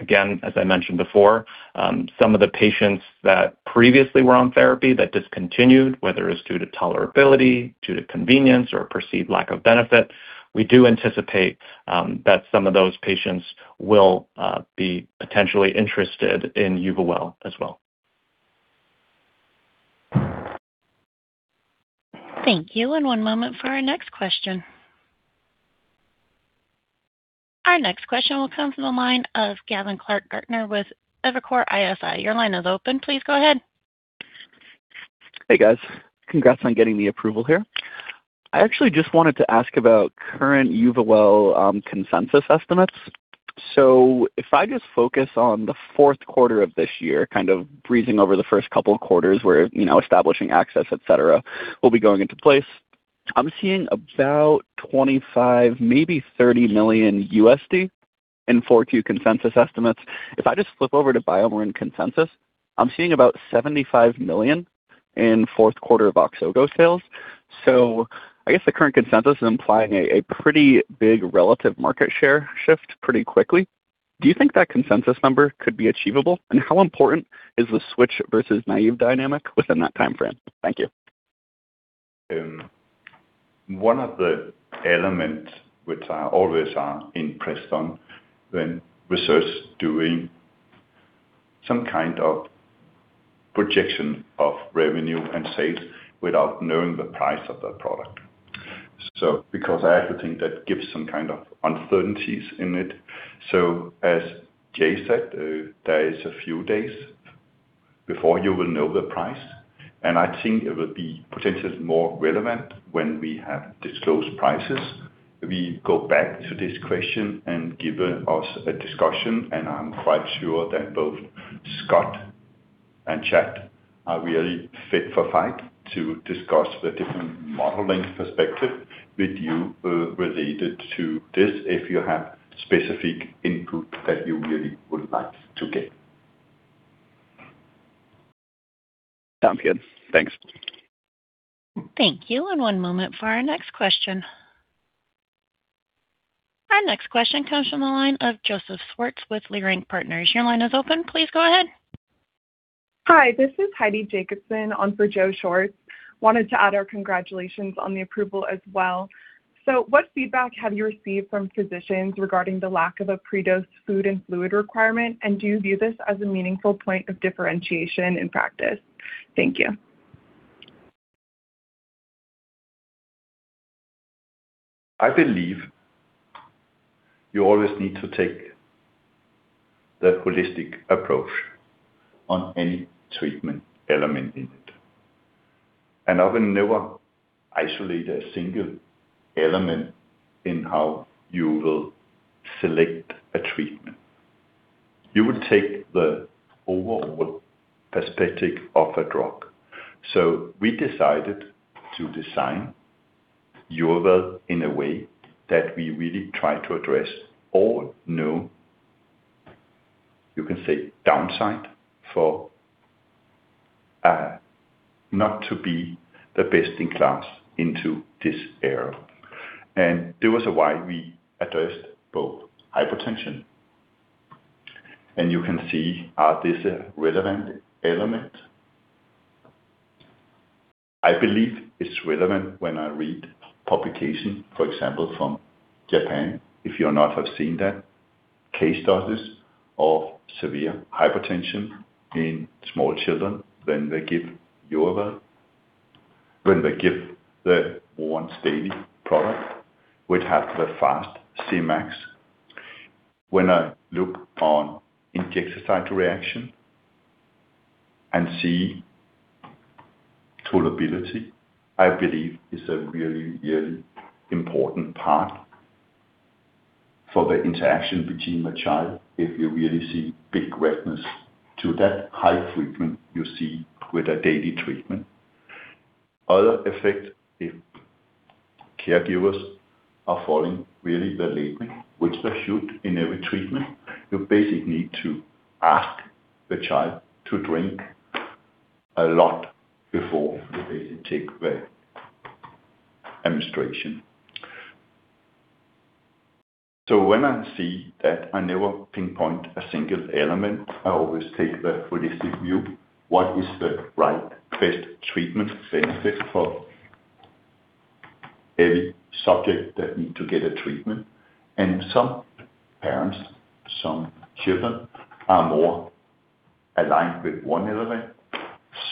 Again, as I mentioned before, some of the patients that previously were on therapy that discontinued, whether it's due to tolerability, due to convenience or perceived lack of benefit, we do anticipate that some of those patients will be potentially interested in YUVIWEL as well. Thank you. One moment for our next question. Our next question will come from the line of Gavin Clark-Gartner with Evercore ISI. Your line is open. Please go ahead. Hey, guys. Congrats on getting the approval here. I actually just wanted to ask about current YUVIWEL consensus estimates. If I just focus on the fourth quarter of this year, kind of breezing over the first couple quarters where, you know, establishing access, et cetera, will be going into place. I'm seeing about $25 million, maybe $30 million in 4Q consensus estimates. If I just flip over to BioMarin consensus, I'm seeing about $75 million in fourth quarter of Voxzogo sales. I guess the current consensus is implying a pretty big relative market share shift pretty quickly. Do you think that consensus number could be achievable? How important is the switch versus naive dynamic within that time frame? Thank you. One of the elements which I always are impressed on when research doing some kind of projection of revenue and sales without knowing the price of that product. Because I actually think that gives some kind of uncertainties in it. As Jay said, there is a few days before you will know the price, and I think it will be potentially more relevant when we have disclosed prices. We go back to this question and give us a discussion, and I'm quite sure that both Scott and Chad are really fit for fight to discuss the different modeling perspective with you related to this if you have specific input that you really would like to get. Sounds good. Thanks. Thank you. One moment for our next question. Our next question comes from the line of Joseph Schwartz with Leerink Partners. Your line is open. Please go ahead. Hi, this is Heidi Jacobson on for Joe Schwartz. Wanted to add our congratulations on the approval as well. What feedback have you received from physicians regarding the lack of a predosed food and fluid requirement, and do you view this as a meaningful point of differentiation in practice? Thank you. I believe you always need to take that holistic approach on any treatment element in it, and I will never isolate a single element in how you will select a treatment. You will take the overall perspective of a drug. We decided to design YUVIWEL in a way that we really try to address all known, you can say, downside for not to be the best in class into this area. This is why we addressed both hypertension, and you can see, are this a relevant element? I believe it's relevant when I read publication, for example, from Japan, if you not have seen that, case studies of severe hypertension in small children when they give YUVIWEL, the once daily product, which has the fast Cmax. When I look on injection site reaction and see tolerability, I believe is a really, really important part for the interaction between the child, if you really see big redness to that high frequent you see with a daily treatment. Other effect, if caregivers are following really the labeling, which they should in every treatment, you basically need to ask the child to drink a lot before they basically take the administration. When I see that, I never pinpoint a single element. I always take the holistic view. What is the right best treatment benefit for every subject that need to get a treatment? Some parents, some children are more aligned with one element,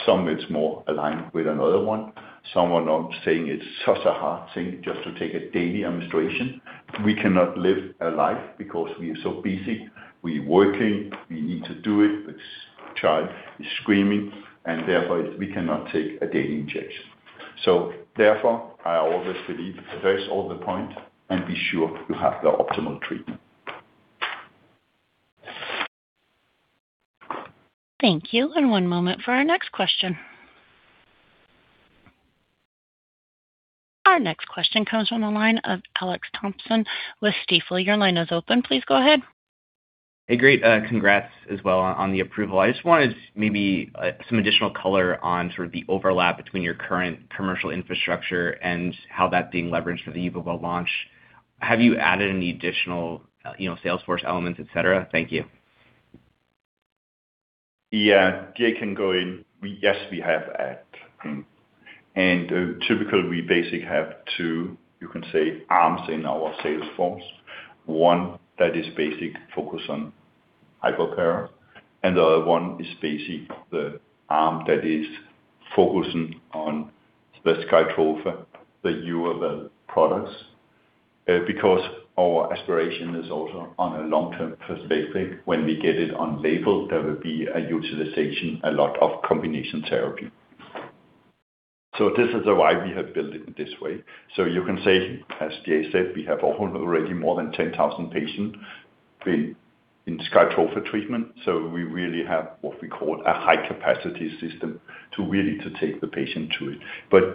some it's more aligned with another one. Some are not saying it's such a hard thing just to take a daily administration. We cannot live a life because we are so busy. We working, we need to do it. This child is screaming. Therefore, we cannot take a daily injection. Therefore, I always believe address all the point and be sure you have the optimal treatment. Thank you. One moment for our next question. Our next question comes from the line of Alex Thompson with Stifel. Your line is open. Please go ahead. A great congrats as well on the approval. I just wanted maybe some additional color on sort of the overlap between your current commercial infrastructure and how that's being leveraged for the YUVIWEL launch. Have you added any additional, you know, sales force elements, et cetera? Thank you. Yeah. Jay can go in. Yes, we have added. Typical, we basically have two, you can say, arms in our sales force. One that is basic focus on hypercare, and the other one is basic the arm that is focusing on the SKYTROFA, the YUVIWEL products. Because our aspiration is also on a long-term perspective. When we get it on label, there will be a utilization, a lot of combination therapy. This is why we have built it this way. You can say, as Jay said, we have already more than 10,000 patients in SKYTROFA treatment. We really have what e call a high capacity system to really to take the patient to it.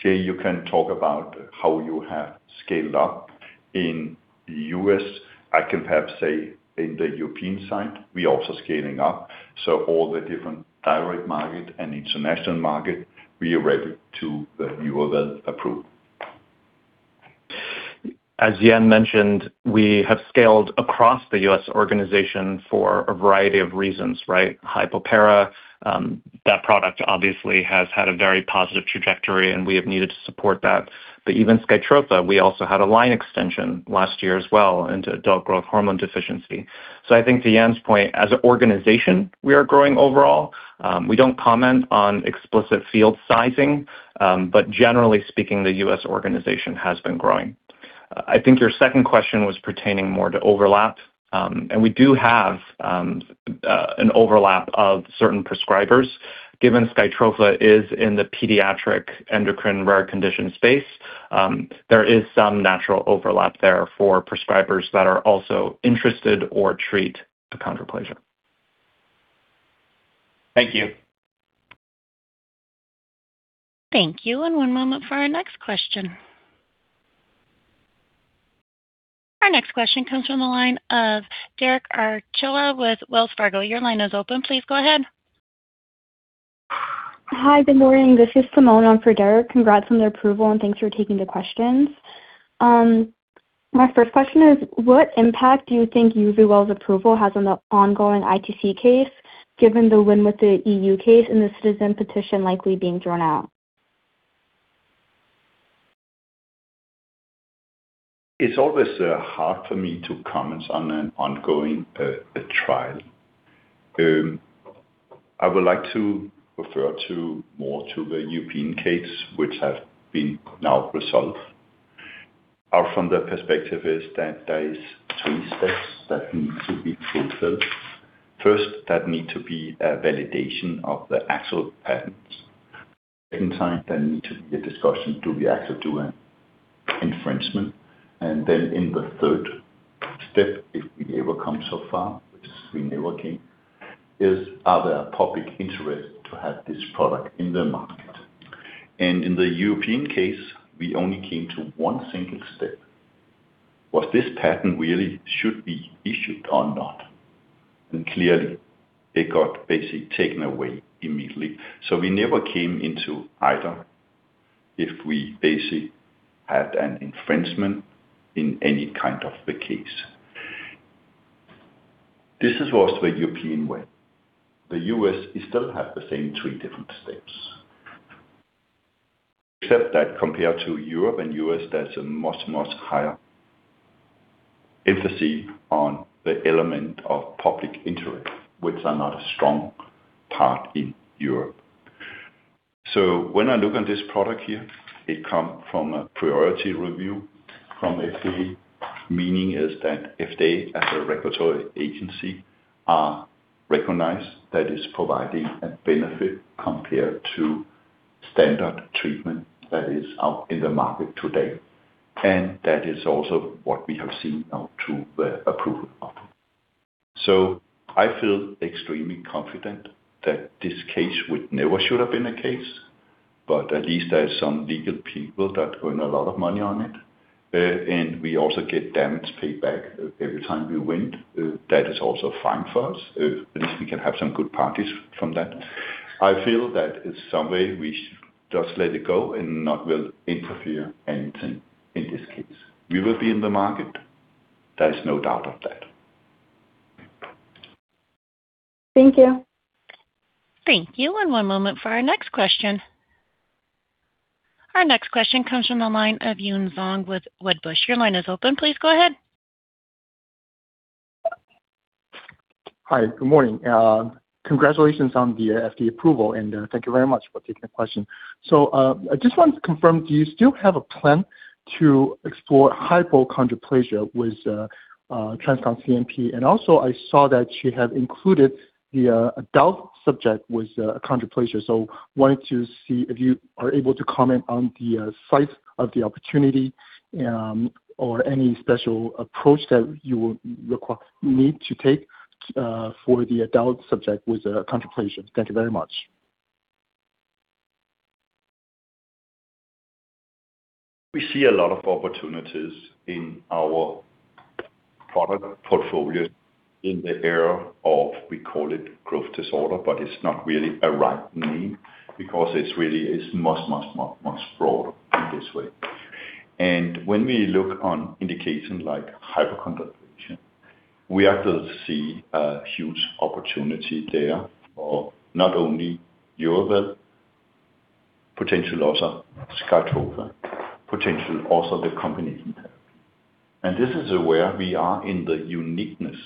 Jay, you can talk about how you have scaled up in U.S. I can perhaps say in the European side, we also scaling up. All the different direct market and international market, we are ready to the YUVIWEL approve. As Jan mentioned, we have scaled across the U.S. organization for a variety of reasons, right? hypopara, that product obviously has had a very positive trajectory, and we have needed to support that. Even SKYTROFA, we also had a line extension last year as well into adult growth hormone deficiency. I think to Jan's point, as an organization, we are growing overall. We don't comment on explicit field sizing, but generally speaking, the U.S. organization has been growing. I think your second question was pertaining more to overlap. We do have an overlap of certain prescribers. Given SKYTROFA is in the pediatric endocrine rare condition space, there is some natural overlap there for prescribers that are also interested or treat achondroplasia. Thank you. Thank you. One moment for our next question. Our next question comes from the line of Derek Archila with Wells Fargo. Your line is open. Please go ahead. Hi. Good morning. This is Simone on for Derek. Congrats on the approval, and thanks for taking the questions. My first question is, what impact do you think YUVIWEL's approval has on the ongoing ITC case, given the win with the EU case and the citizen petition likely being drawn out? It's always hard for me to comment on an ongoing trial. I would like to refer more to the European case, which has been now resolved. Our from the perspective is that there is three steps that needs to be fulfilled. First, that need to be a validation of the actual patents. Second time, there need to be a discussion, do we actually do an infringement? In the third step, if we ever come so far, which we never came, is are there public interest to have this product in the market? In the European case, we only came to one single step. Was this patent really should be issued or not? Clearly it got basically taken away immediately. We never came into either if we basically had an infringement in any kind of the case. This is also a European way. The U.S. still have the same three different steps. Except that compared to Europe and U.S., there's a much, much higher emphasis on the element of public interest, which are not a strong part in Europe. When I look on this product here, it come from a priority review from FDA, meaning is that if they as a regulatory agency are recognized that it's providing a benefit compared to standard treatment that is out in the market today. That is also what we have seen now through the approval of it. I feel extremely confident that this case would never should have been a case, but at least there are some legal people that earn a lot of money on it, and we also get damage paid back every time we win. That is also fine for us. At least we can have some good parties from that. I feel that in some way we should just let it go and not will interfere anything in this case. We will be in the market. There is no doubt of that. Thank you. Thank you. One moment for our next question. Our next question comes from the line of Yun Zhong with Wedbush Securities. Your line is open. Please go ahead. Hi. Good morning. Congratulations on the FDA approval, and thank you very much for taking the question. I just want to confirm, do you still have a plan to explore hypochondroplasia with TransCon CNP? I saw that you have included the adult subject with achondroplasia. wanted to see if you are able to comment on the size of the opportunity, or any special approach that you need to take for the adult subject with achondroplasia. Thank you very much. We see a lot of opportunities in our product portfolios in the area of we call it growth disorder, but it's not really a right name because it's really is much, much, much, much broader in this way. When we look on indications like hypochondroplasia, we actually see a huge opportunity there for not only Yuviwel, potentially also SKYTROFA, potentially also the combination therapy. This is where we are in the uniqueness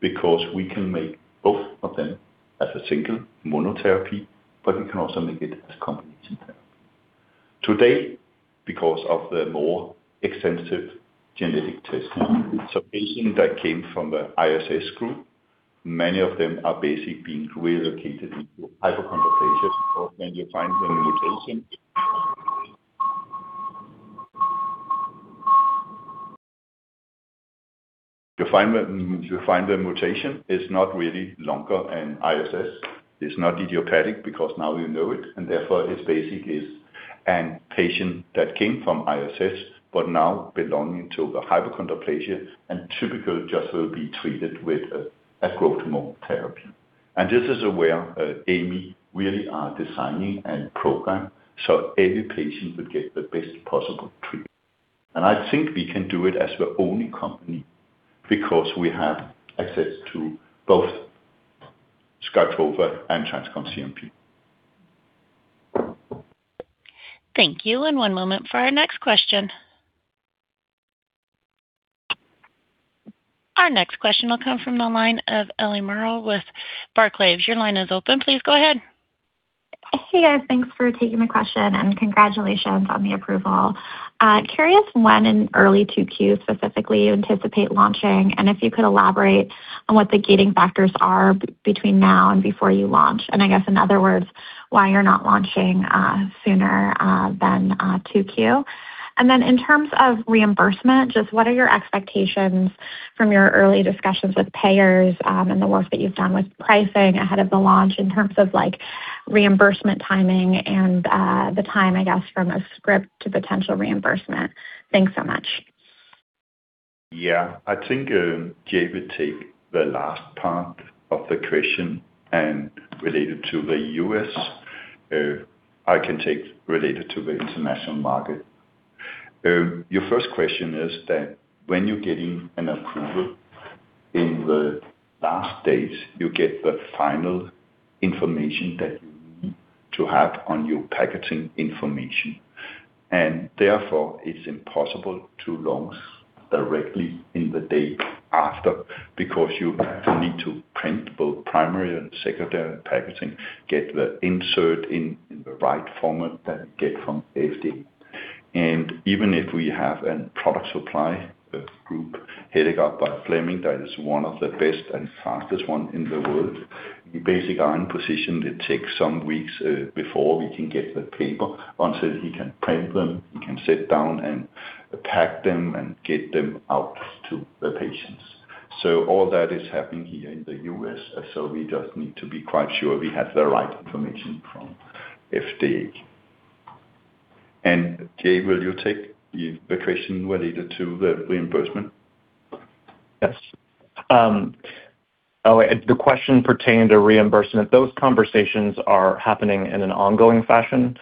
because we can make both of them as a single monotherapy, but we can also make it as combination therapy. Today, because of the more extensive genetic testing, patient that came from the ISS group, many of them are basically being relocated into hypochondroplasia. When you find the mutation. You find the mutation is not really longer an ISS. It's not idiopathic because now you know it. Therefore it basically is an patient that came from ISS but now belonging to hypochondroplasia and typical just will be treated with a growth hormone therapy. This is where Aimee Shu really are designing a program so every patient will get the best possible treatment. I think we can do it as the only company because we have access to both SKYTROFA and TransCon CNP. Thank you. One moment for our next question. Our next question will come from the line of Eliana Merle with Barclays. Your line is open. Please go ahead. Hey, guys. Thanks for taking the question. Congratulations on the approval. Curious when in early 2Q specifically you anticipate launching, and if you could elaborate on what the gating factors are between now and before you launch. I guess, in other words, why you're not launching sooner than 2Q. In terms of reimbursement, just what are your expectations from your early discussions with payers, and the work that you've done with pricing ahead of the launch in terms of, like, reimbursement timing and the time, I guess, from a script to potential reimbursement? Thanks so much. I think Jay will take the last part of the question and related to the U.S. I can take related to the international market. Your first question is that when you're getting an approval in the last days, you get the final information that you need to have on your packaging information. Therefore, it's impossible to launch directly in the day after because you need to print both primary and secondary packaging, get the insert in the right format that you get from FDA. Even if we have a product supply group headed up by Fleming, that is one of the best and fastest one in the world, we basically are in position that takes some weeks before we can get the paper. Once he can print them, he can sit down and pack them and get them out to the patients. All that is happening here in the U.S. We just need to be quite sure we have the right information from FDA. Jay, will you take the question related to the reimbursement? Yes. Oh, the question pertained to reimbursement. Those conversations are happening in an ongoing fashion.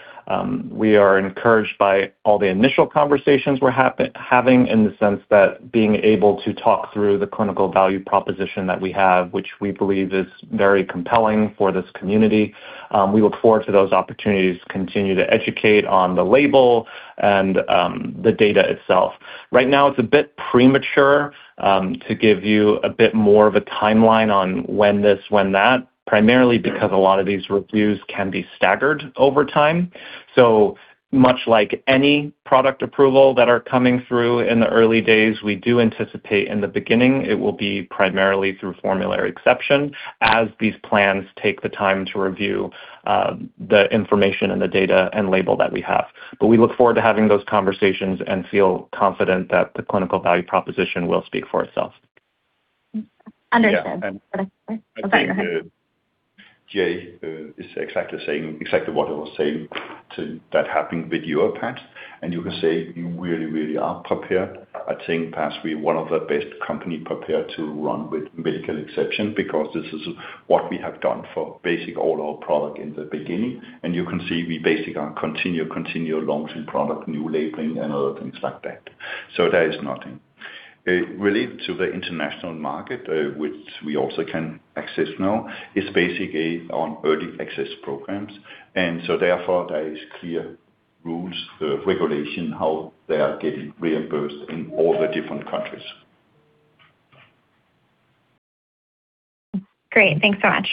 We are encouraged by all the initial conversations we're having in the sense that being able to talk through the clinical value proposition that we have, which we believe is very compelling for this community. We look forward to those opportunities to continue to educate on the label and the data itself. Right now it's a bit premature to give you a bit more of a timeline on when this, when that, primarily because a lot of these reviews can be staggered over time. Much like any product approval that are coming through in the early days, we do anticipate in the beginning it will be primarily through formulary exception as these plans take the time to review the information and the data and label that we have. We look forward to having those conversations and feel confident that the clinical value proposition will speak for itself. Understood. Yeah. I think, Jay, is exactly saying exactly what I was saying to that happening with Europe. You can say you really are prepared. I think perhaps we're one of the best company prepared to run with medical exception because this is what we have done for basic all our product in the beginning. You can see we basically continue launching product, new labeling and other things like that. There is nothing. Related to the international market, which we also can access now, is basically on early access programs. Therefore there is clear rules, regulation, how they are getting reimbursed in all the different countries. Great. Thanks so much.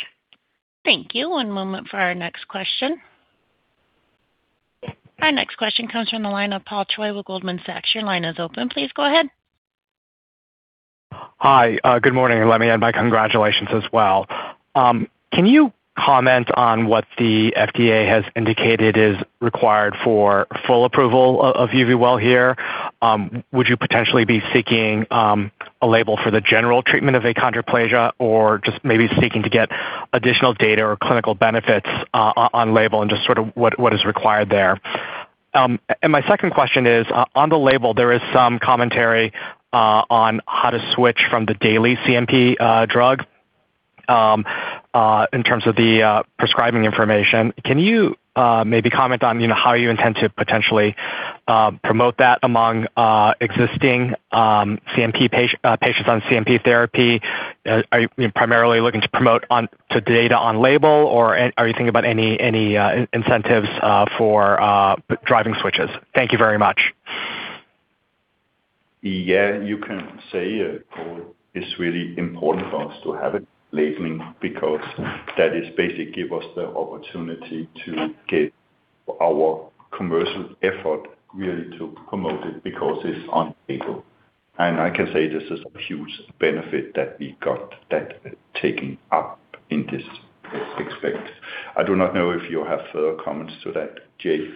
Thank you. One moment for our next question. Our next question comes from the line of Paul Choi with Goldman Sachs. Your line is open. Please go ahead. Hi. Good morning, and let me add my congratulations as well. Can you comment on what the FDA has indicated is required for full approval of YORVIPATH here? Would you potentially be seeking a label for the general treatment of achondroplasia or just maybe seeking to get additional data or clinical benefits on label and just sort of what is required there? My second question is, on the label, there is some commentary on how to switch from the daily CNP drug in terms of the prescribing information. Can you maybe comment on, you know, how you intend to potentially promote that among existing CNP patients on CNP therapy? Are you primarily looking to promote on to data on label, or are you thinking about any incentives for driving switches? Thank you very much. Yeah. You can say it's really important for us to have a labeling because that is basically give us the opportunity to get our commercial effort really to promote it because it's on label. I can say this is a huge benefit that we got that taken up in this expect. I do not know if you have further comments to that, Jay.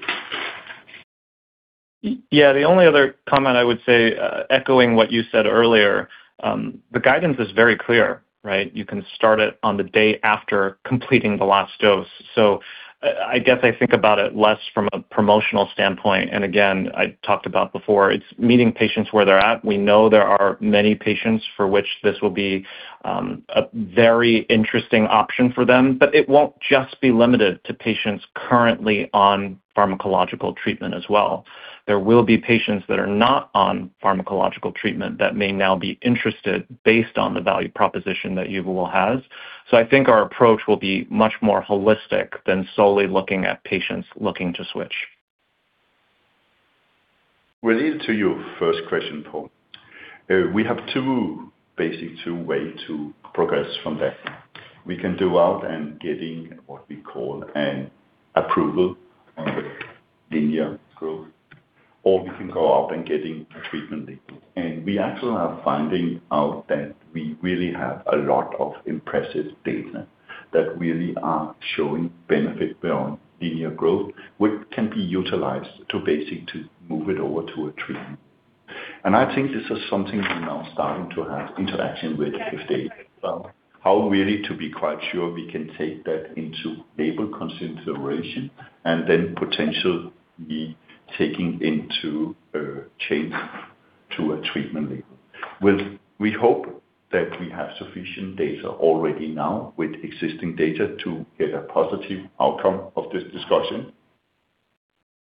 Yeah. The only other comment I would say, echoing what you said earlier, the guidance is very clear, right? You can start it on the day after completing the last dose. I guess I think about it less from a promotional standpoint, and again, I talked about before, it's meeting patients where they're at. We know there are many patients for which this will be a very interesting option for them. It won't just be limited to patients currently on pharmacological treatment as well. There will be patients that are not on pharmacological treatment that may now be interested based on the value proposition that YUVIWEL will have. I think our approach will be much more holistic than solely looking at patients looking to switch. Related to your first question, Paul. We have two basic two way to progress from that. We can do out and getting what we call an approval on the linear growth, or we can go out and getting a treatment. We actually are finding out that we really have a lot of impressive data that really are showing benefit beyond linear growth, which can be utilized to basic to move it over to a treatment. I think this is something we're now starting to have interaction with the FDA. How really to be quite sure we can take that into label consideration and then potentially be taking into change to a treatment label. Well, we hope that we have sufficient data already now with existing data to get a positive outcome of this discussion.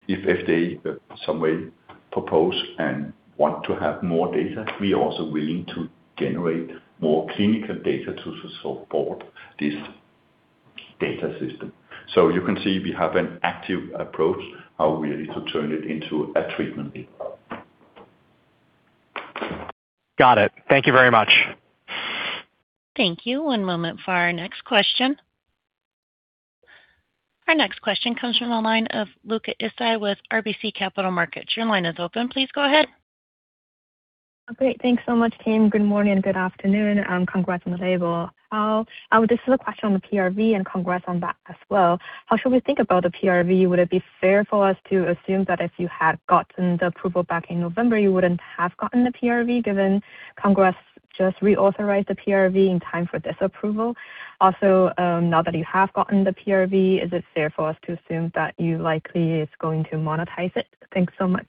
If they some way propose and want to have more data, we are also willing to generate more clinical data to support this data system. You can see we have an active approach how we need to turn it into a treatment. Got it. Thank you very much. Thank you. One moment for our next question. Our next question comes from the line of Luca Issi with RBC Capital Markets. Your line is open. Please go ahead. Great. Thanks so much, team. Good morning and good afternoon, and congrats on the label. This is a question on the PRV, and congrats on that as well. How should we think about the PRV? Would it be fair for us to assume that if you had gotten the approval back in November, you wouldn't have gotten the PRV, given Congress just reauthorized the PRV in time for this approval? Also, now that you have gotten the PRV, is it fair for us to assume that you likely is going to monetize it? Thanks so much.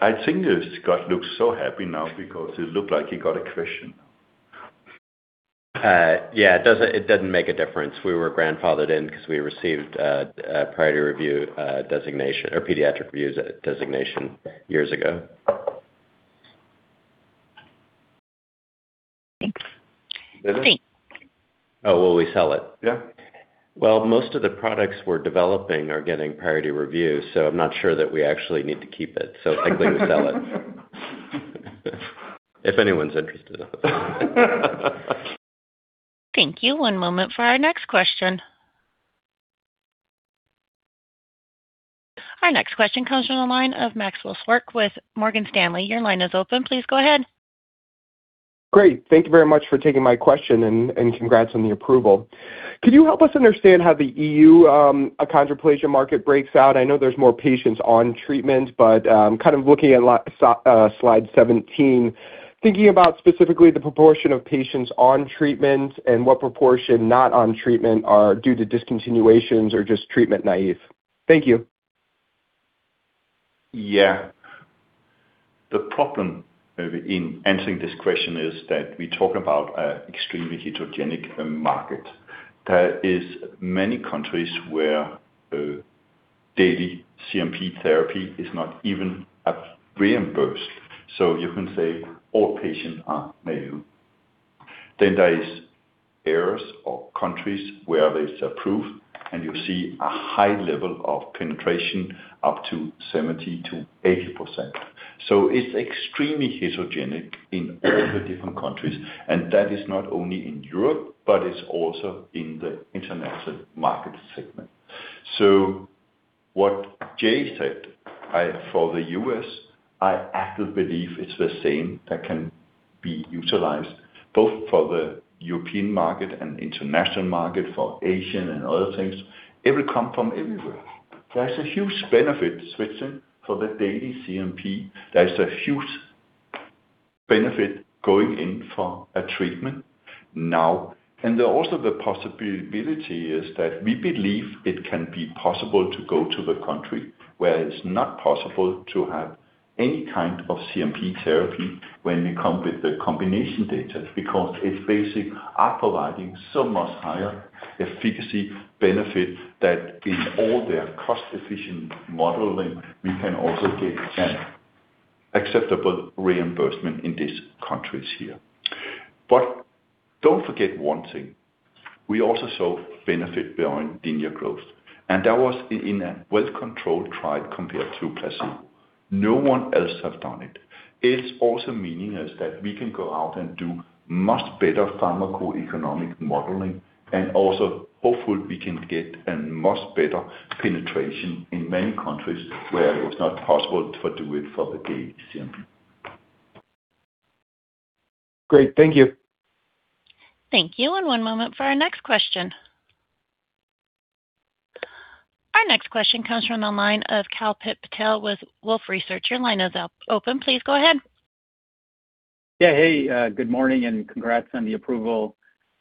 I think Scott looks so happy now because he looked like he got a question. Yeah, it doesn't make a difference. We were grandfathered in 'cause we received a Priority Review designation or pediatric review designation years ago. Thanks. Great. Oh, will we sell it? Yeah. Well, most of the products we're developing are getting priority reviews, I'm not sure that we actually need to keep it. I think we sell it. If anyone's interested. Thank you. One moment for our next question. Our next question comes from the line of Maxwell Schorr with Morgan Stanley. Your line is open. Please go ahead. Great. Thank you very much for taking my question and congrats on the approval. Could you help us understand how the EU achondroplasia market breaks out? I know there's more patients on treatment, but kind of looking at slide 17, thinking about specifically the proportion of patients on treatment and what proportion not on treatment are due to discontinuations or just treatment naive. Thank you. Yeah. The problem in answering this question is that we talk about extremely heterogeneous market. There is many countries where daily CNP therapy is not even reimbursed. You can say all patients are naive. Then there is errors or countries where there is approved, and you see a high level of penetration up to 70%-80%. It's extremely heterogeneous in all the different countries, and that is not only in Europe, but it's also in the international market segment. What Jay said, for the U.S., I actually believe it's the same that can be utilized both for the European market and international market, for Asian and other things. It will come from everywhere. There's a huge benefit switching for the daily CNP. There's a huge benefit going in for a treatment now. The possibility is that we believe it can be possible to go to the country where it's not possible to have any kind of CNP therapy when we come with the combination data, because it's basic are providing so much higher efficacy benefit that in all their cost efficient modeling, we can also get an acceptable reimbursement in these countries here. Don't forget one thing. We also saw benefit beyond linear growth, and that was in a well-controlled trial compared to placebo. No one else have done it. It's also meaning is that we can go out and do much better pharmacoeconomic modeling and also hopefully we can get a much better penetration in many countries where it's not possible to do it for the daily CNP. Great. Thank you. Thank you. One moment for our next question. Our next question comes from the line of Kalpit Patel with Wolfe Research. Your line is open. Please go ahead. Yeah. Hey, good morning and congrats on the approval.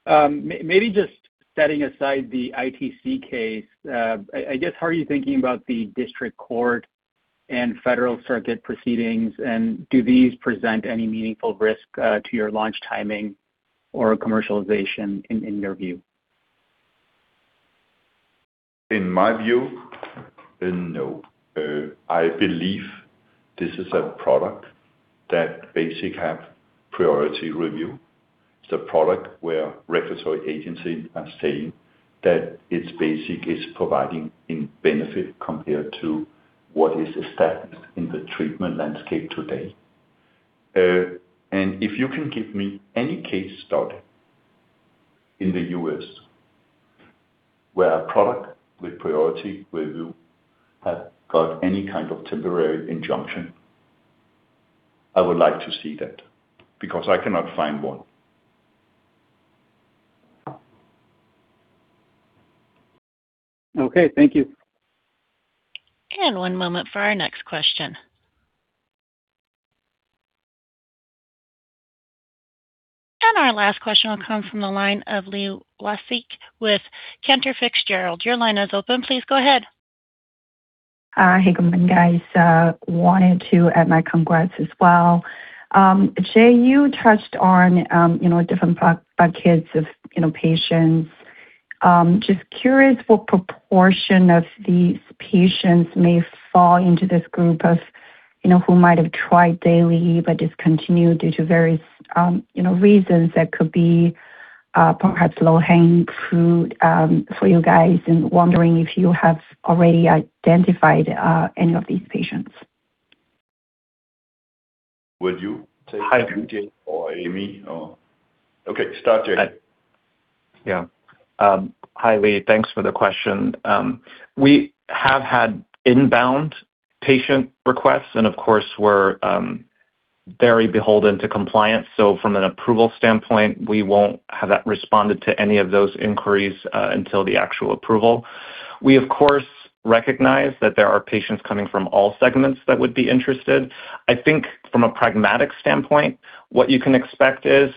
Maybe just setting aside the ITC case, how are you thinking about the district court and Federal Circuit proceedings? Do these present any meaningful risk to your launch timing or commercialization in your view? In my view, no. I believe this is a product that basically have priority review. It's a product where regulatory agency are saying that it's basic is providing in benefit compared to what is established in the treatment landscape today. If you can give me any case study in the U.S. where a product with priority review has got any kind of temporary injunction, I would like to see that, because I cannot find one. Okay. Thank you. One moment for our next question. Our last question will come from the line of Li Watsek with Cantor Fitzgerald. Your line is open. Please go ahead. Hey, good morning, guys. Wanted to add my congrats as well. Jay, you touched on, you know, different buckets of, you know, patients. Just curious what proportion of these patients may fall into this group of, you know, who might have tried daily but discontinued due to various, you know, reasons that could be, perhaps low-hanging fruit, for you guys, and wondering if you have already identified any of these patients. Would you take it, Jay or Aimee or okay. Start, Jay. Yeah. Hi, Li. Thanks for the question. We have had inbound patient requests and of course, we're very beholden to compliance. From an approval standpoint, we won't have that responded to any of those inquiries until the actual approval. We, of course, recognize that there are patients coming from all segments that would be interested. I think from a pragmatic standpoint, what you can expect is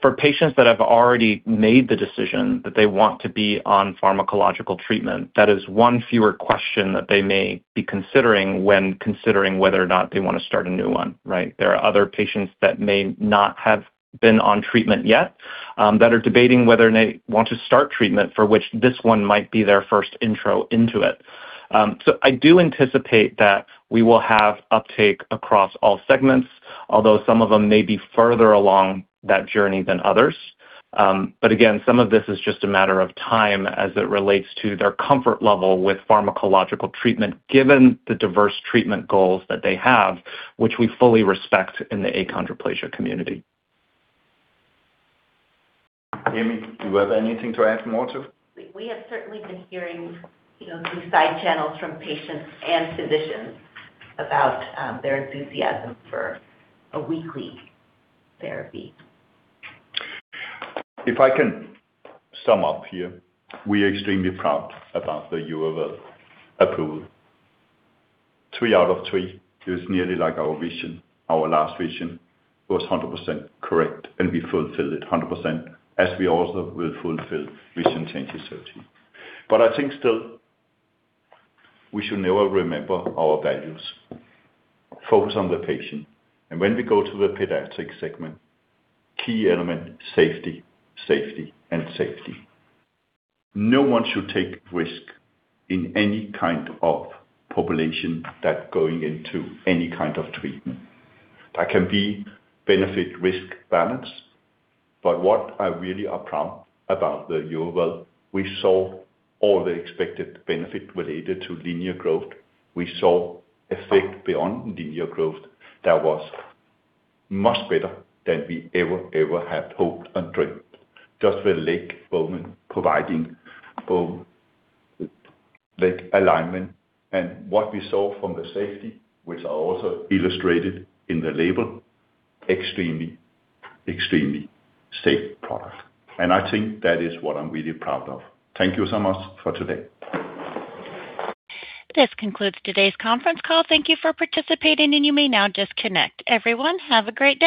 for patients that have already made the decision that they want to be on pharmacological treatment, that is one fewer question that they may be considering when considering whether or not they wanna start a new one, right? There are other patients that may not have been on treatment yet that are debating whether or not they want to start treatment for which this one might be their first intro into it. I do anticipate that we will have uptake across all segments, although some of them may be further along that journey than others. Again, some of this is just a matter of time as it relates to their comfort level with pharmacological treatment, given the diverse treatment goals that they have, which we fully respect in the achondroplasia community. Aimee, do you have anything to add more to? We have certainly been hearing, you know, through side channels from patients and physicians about their enthusiasm for a weekly therapy. If I can sum up here, we are extremely proud about the YUVIWEL approval. 3/3 is nearly like our vision, our last vision was 100% correct, and we fulfilled it 100%, as we also will fulfill Vision 2030. I think still, we should never remember our values. Focus on the patient. When we go to the pediatric segment, key element, safety and safety. No one should take risk in any kind of population that going into any kind of treatment. There can be benefit-risk balance, but what I really are proud about the YUVIWEL, we saw all the expected benefit related to linear growth. We saw effect beyond linear growth that was much better than we ever had hoped and dreamed. Just the leg bone providing bone leg alignment. What we saw from the safety, which are also illustrated in the label, extremely safe product. I think that is what I'm really proud of. Thank you so much for today. This concludes today's conference call. Thank you for participating. You may now disconnect. Everyone, have a great day.